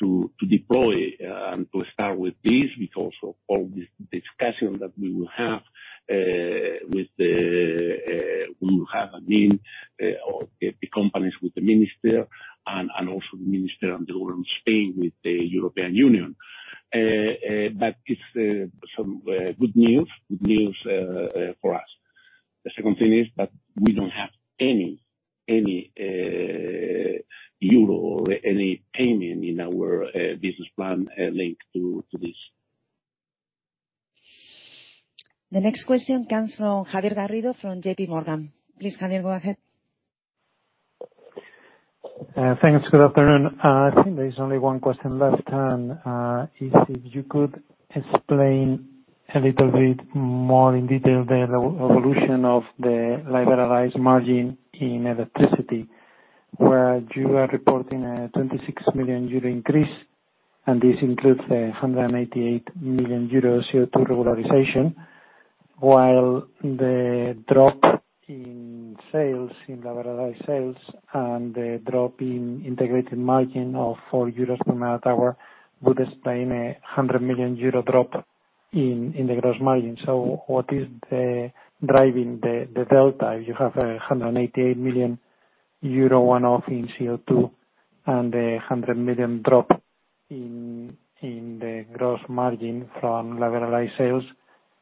to deploy and to start with this because of all this discussion that we will have with the companies, with the Minister, and also with the Minister on the role in Spain with the European Union. It's some good news for us. The second thing is that we don't have any euro or any payment in our business plan linked to this. The next question comes from Javier Garrido from JP Morgan. Please, Javier, go ahead. Thanks. Good afternoon. I think there is only one question left. If you could explain a little bit more in detail the evolution of the liberalized margin in electricity, where you are reporting a 26 million euro increase, this includes a 188 million euro CO₂ regularization, while the drop in liberalized sales and the drop in the integrated margin of 4 euros per MWh would explain a 100 million euro drop in the gross margin. What is driving the delta? You have a 188 million euro one-off in CO₂, and a 100 million drop in the gross margin from liberalized sales.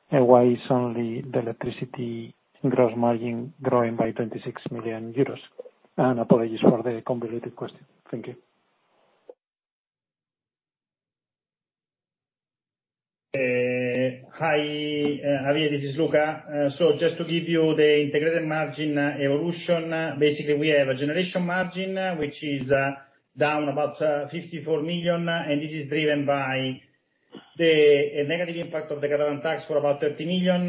Why is only the electricity gross margin growing by 26 million euros? Apologies for the convoluted question. Thank you. Hi, Javier. This is Luca. Just to give you the integrated margin evolution, basically we have a generation margin, which is down about 54 million, and this is driven by the negative impact of the carbon tax for about 30 million.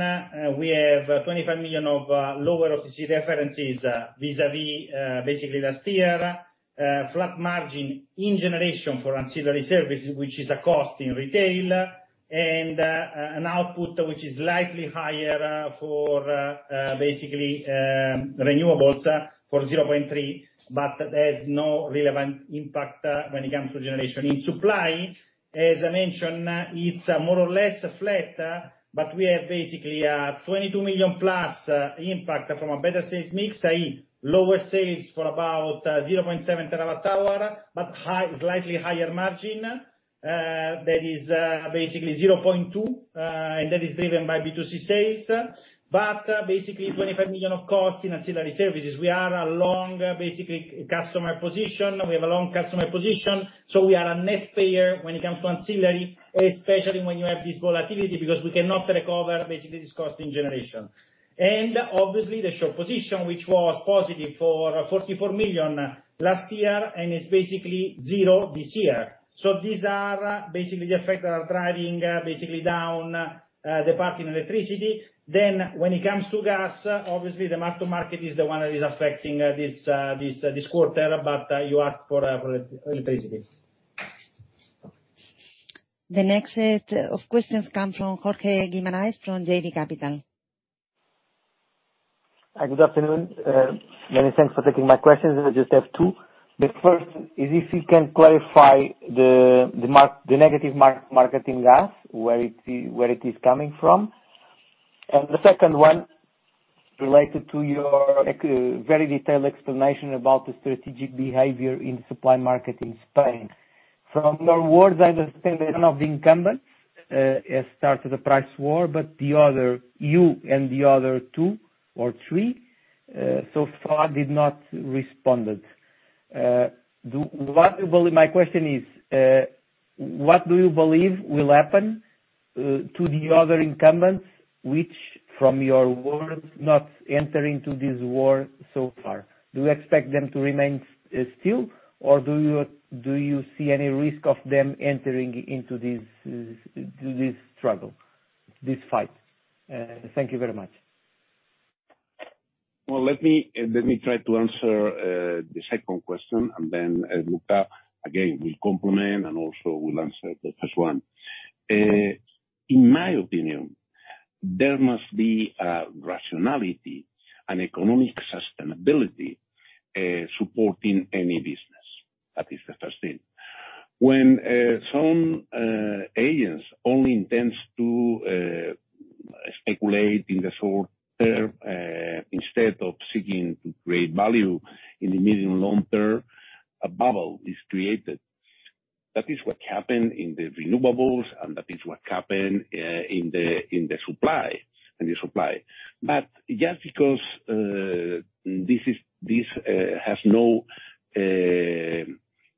We have 25 million of lower OTC references vis-à-vis basically last year. Flat margin in generation for ancillary services, which is a cost in retail, and an output that is slightly higher for basically renewables for 0.3, but there's no relevant impact when it comes to generation. In supply, as I mentioned, it's more or less flat, but we have basically a +22 million impact from a better sales mix, i.e., lower sales for about 0.7TWh but slightly higher margin. That is basically 0.2, and that is driven by B2C sales. Basically, 25 million of cost in ancillary services. We have a long customer position, so we are a net payer when it comes to ancillary, especially when you have this volatility, because we cannot recover basically this cost in generation. Obviously, the short position, which was positive for 44 million last year and is basically zero this year. These are basically the effects that are driving down the price of electricity. When it comes to gas, obviously the mark-to-market is the one that is affecting this quarter, but you asked for electricity. The next set of questions comes from Jorge Guimarães from JB Capital. Good afternoon. Many thanks for taking my questions. I just have two. The first is if you can clarify the negative mark-to-market in gas and where it is coming from. The second one related to your very detailed explanation about the strategic behavior in the supply market in Spain. From your words, I understand that none of the incumbents started a price war, but you and the other two or three so far did not respond. My question is, what do you believe will happen to the other incumbents, which, from your words, have not entered into this war so far? Do you expect them to remain still, or do you see any risk of them entering into this struggle, this fight? Thank you very much. Let me try to answer the second question, and then Luca, again, will complement and also will answer the first one. In my opinion, there must be rationality and economic sustainability supporting any business. That is the first thing. When some agents only intend to speculate in the short term, instead of seeking to create value in the medium/long term, a bubble is created. That is what happened in the renewables, and that is what happened in the supply. Just because this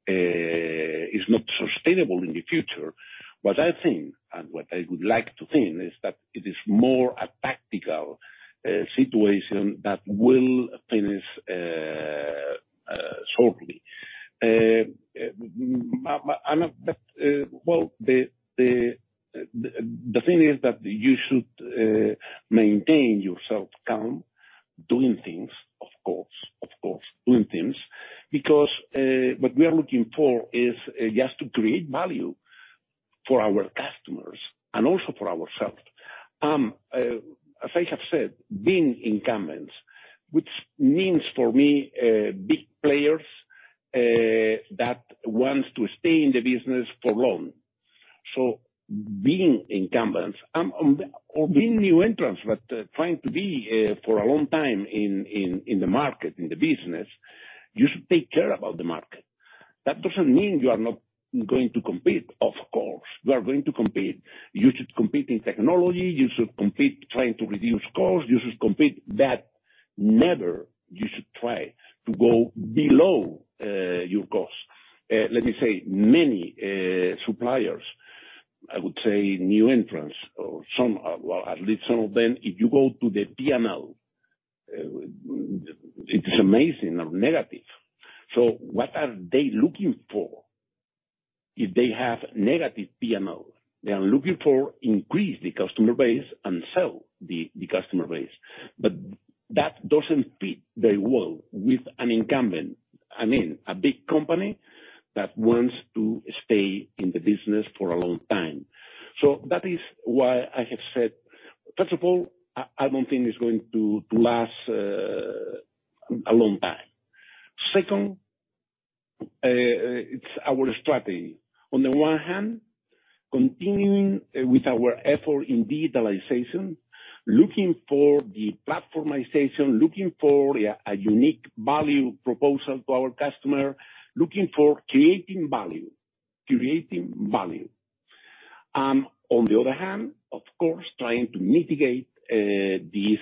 is not sustainable in the future, what I think, and what I would like to think, is that it is more a tactical situation that will finish shortly. The thing is that you should maintain your self-calm, doing things, of course. Doing things, because what we are looking for is just to create value for our customers and also for ourselves. As I have said, being incumbents means, for me, big players that want to stay in the business for long. Being an incumbent, or being a new entrant but trying to be in the market, in the business, for a long time, you should take care of the market. That doesn't mean you are not going to compete, of course. You are going to compete. You should compete in technology. You should compete trying to reduce costs. You should compete, but you should never try to go below your cost. Let me say, many suppliers, I would say new entrants, well, at least some of them—if you go to the P&L, they are amazing and negative. What are they looking for? If they have negative P&L, they are looking to increase the customer base and sell the customer base. That doesn't fit very well with an incumbent. I mean, a big company that wants to stay in the business for a long time. That is why I have said, first of all, I don't think it's going to last a long time. Second, it's our strategy. On the one hand, continuing with our effort in digitalization, looking for platformization, looking for a unique value proposition to our customer, and looking for creating value. On the other hand, of course, trying to mitigate this,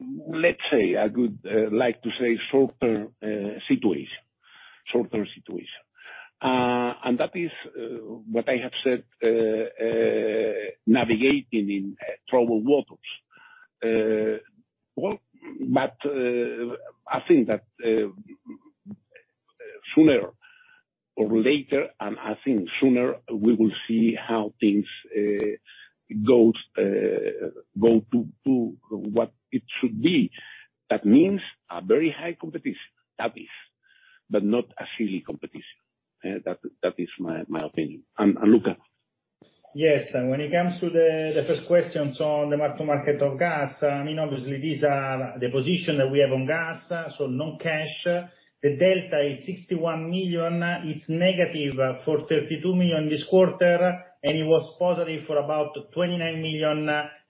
let's say, I would like to say a shorter situation. That is what I have said: navigating in troubled waters. Well, I think that sooner or later, and I think sooner, we will see how things go to what they should be. That means very high competition, that is, but not a silly one. That is my opinion. Luca. Yes. When it comes to the first questions on the mark-to-market of gas, obviously these are the positions that we have on gas, so non-cash. The delta is 61 million. It's negative for 32 million this quarter, and it was positive for about 29 million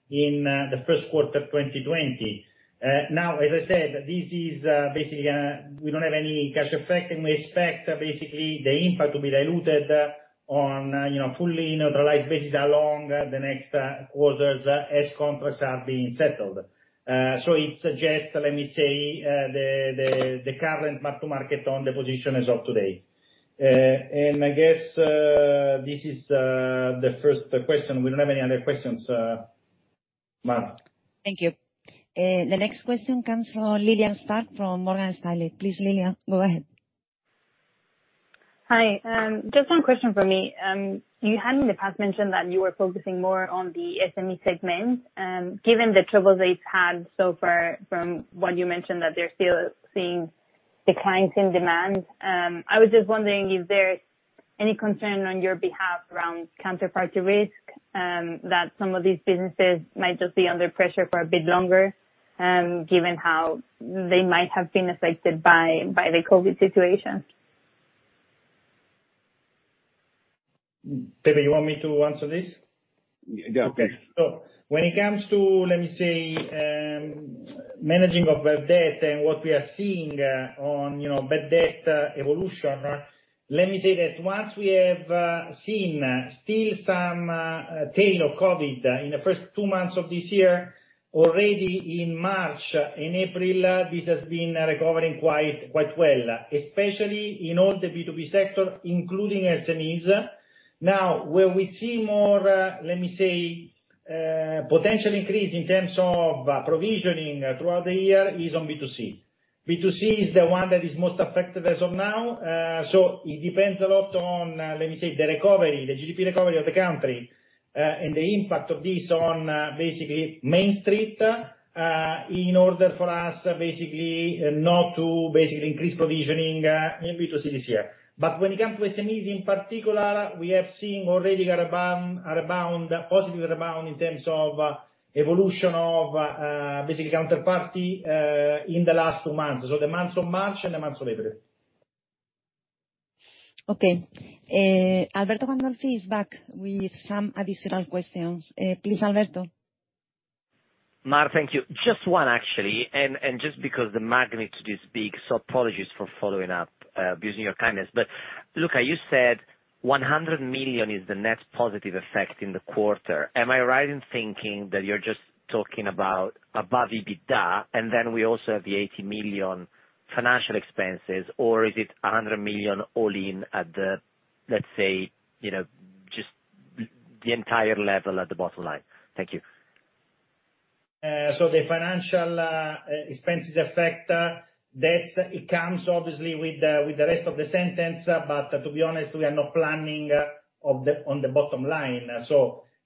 in the first quarter 2020. As I said, this is basically, we don't have any cash effect, and we expect the impact to be diluted on a fully neutralized basis along the next quarters as contracts are being settled. It suggests, let me say, the current mark-to-market on the position as of today. I guess this is the first question. We don't have any other questions. Mar. Thank you. The next question comes from Lilian Starke from Morgan Stanley. Please, Lilian, go ahead. Hi. Just one question from me. You had in the past mentioned that you were focusing more on the SME segment. Given the troubles that you've had so far from what you mentioned, that they're still seeing declines in demand, I was just wondering, is there any concern on your behalf around counterparty risk, that some of these businesses might just be under pressure for a bit longer, given how they might have been affected by the COVID situation? Pepe, you want me to answer this? Yeah, please. When it comes to, let me say, managing bad debt and what we are seeing in bad debt evolution, let me say that once we have seen still some tail of COVID in the first two months of this year, already in March and in April, this has been recovering quite well, especially in all the B2B sectors, including SMEs. Where we see more, let me say, potential increase in terms of provisioning throughout the year is on B2C. B2C is the one that is most affected as of now. It depends a lot on, let me say, the recovery, the GDP recovery of the country, and the impact of this on basically main street, in order for us basically not to basically increase provisioning in B2C this year. When it comes to SMEs in particular, we have seen already a positive rebound in terms of the evolution of basically counterparties in the last two months. The months of March and the months of April. Okay. Alberto Gandolfi is back with some additional questions. Please, Alberto Mar, thank you. Just one, actually, and just because the magnitude is big, so apologies for following up and abusing your kindness. Luca, you said 100 million is the net positive effect in the quarter. Am I right in thinking that you're just talking about above EBITDA, and then we also have the 80 million financial expenses, or is it 100 million all-in at the, let's say, just the entire level at the bottom line? Thank you. The financial expenses effect, debts—it comes obviously with the rest of the sentence. To be honest, we are not planning on the bottom line.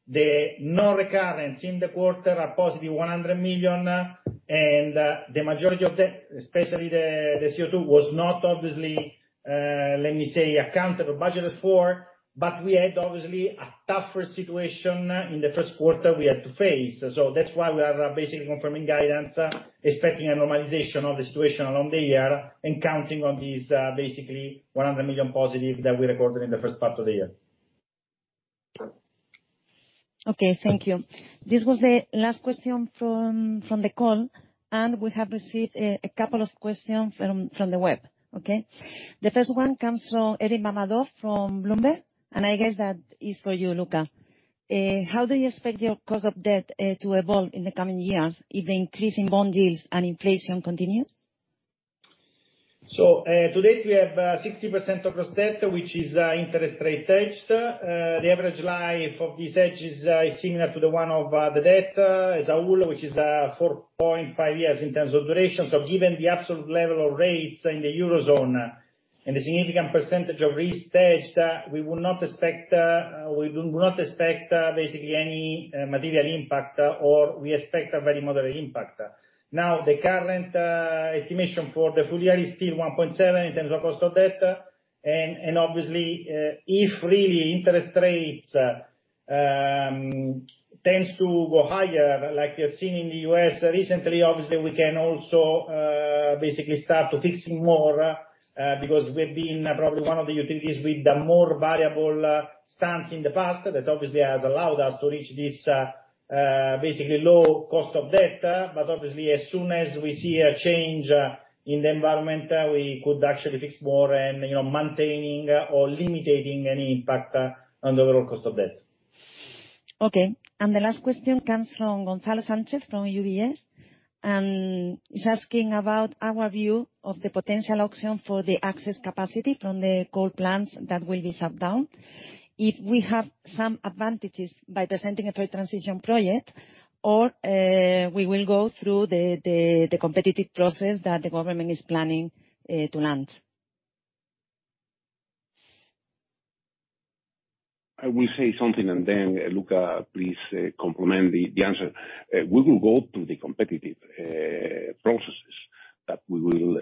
The non-recurrence in the quarter is a positive 100 million. The majority of that, especially the CO₂, was not obviously, let me say, accounted for or budgeted for. We obviously had a tougher situation in the first quarter that we had to face. That's why we are basically confirming guidance, expecting a normalization of the situation along the year, and counting on these basically 100 million positives that we recorded in the first part of the year. Okay, thank you. This was the last question from the call. We have received a couple of questions from the web. Okay. The first one comes from Erin Van Aldan from Bloomberg. I guess that is for you, Luca. How do you expect your cost of debt to evolve in the coming years if the increase in bond yields and inflation continues? To date, we have 60% of gross debt, which is interest rate-hedged. The average life of this hedge is similar to the one of the debt as a whole, which is 4.5 years in terms of duration. Given the absolute level of rates in the Eurozone and the significant percentage of risk hedged, we do not expect basically any material impact, or we expect a very moderate impact. Now, the current estimation for the full year is still 1.7 in terms of the cost of debt. Obviously, if interest rates really tend to go higher like we have seen in the U.S. recently, we can also basically start to fix more because we've probably been one of the utilities with the more variable stance in the past. That obviously has allowed us to reach this basically low cost of debt. Obviously, as soon as we see a change in the environment, we could actually fix more and maintain or limit any impact on the overall cost of debt. Okay. The last question comes from Gonzalo Sanchez-Bordona from UBS, and he's asking about our view of the potential auction for the access capacity from the coal plants that will be shut down. If we have some advantages by presenting a fair transition project, we will go through the competitive process that the government is planning to launch. I will say something and then, Luca, please complement the answer. We will go through the competitive processes that we will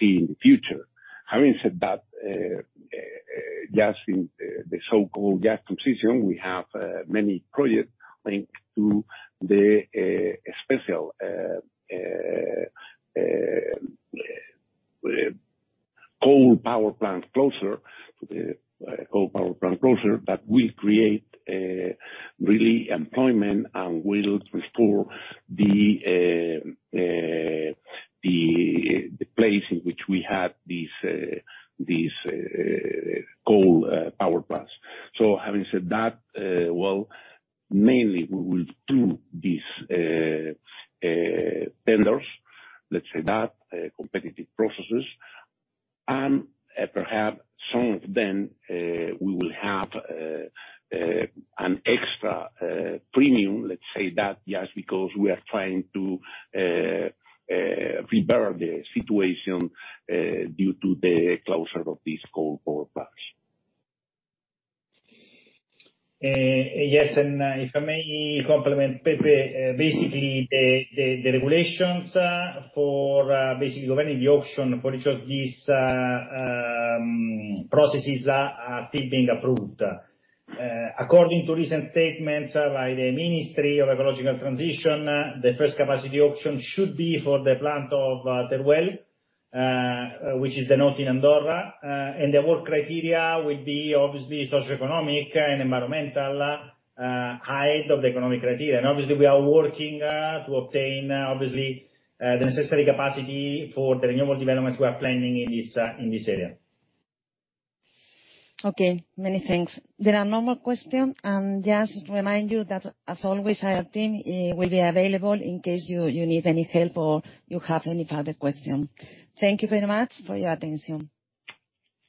see in the future. Having said that, just in the so-called just transition, we have many projects linked to the special coal power plant closure that will create real employment and will restore the place in which we had these coal power plants. Having said that, well, mainly we will do these tenders, let's say that, competitive processes. Perhaps some of them will have an extra premium, let's say that, just because we are trying to revert the situation due to the closure of these coal power plants. Yes. If I may complement, Pepe, basically the regulations for governing the auction for each of these processes are still being approved. According to recent statements by the Ministry of Ecological Transition, the first capacity auction should be for the plant of Teruel, which is in the north in Andorra. The work criteria will be obviously socioeconomic and environmental ahead of the economic criteria. Obviously we are working to obtain the necessary capacity for the renewable developments we are planning in this area. Okay. Many thanks. There are no more questions. Just to remind you that as always, our team will be available in case you need any help or you have any further questions. Thank you very much for your attention.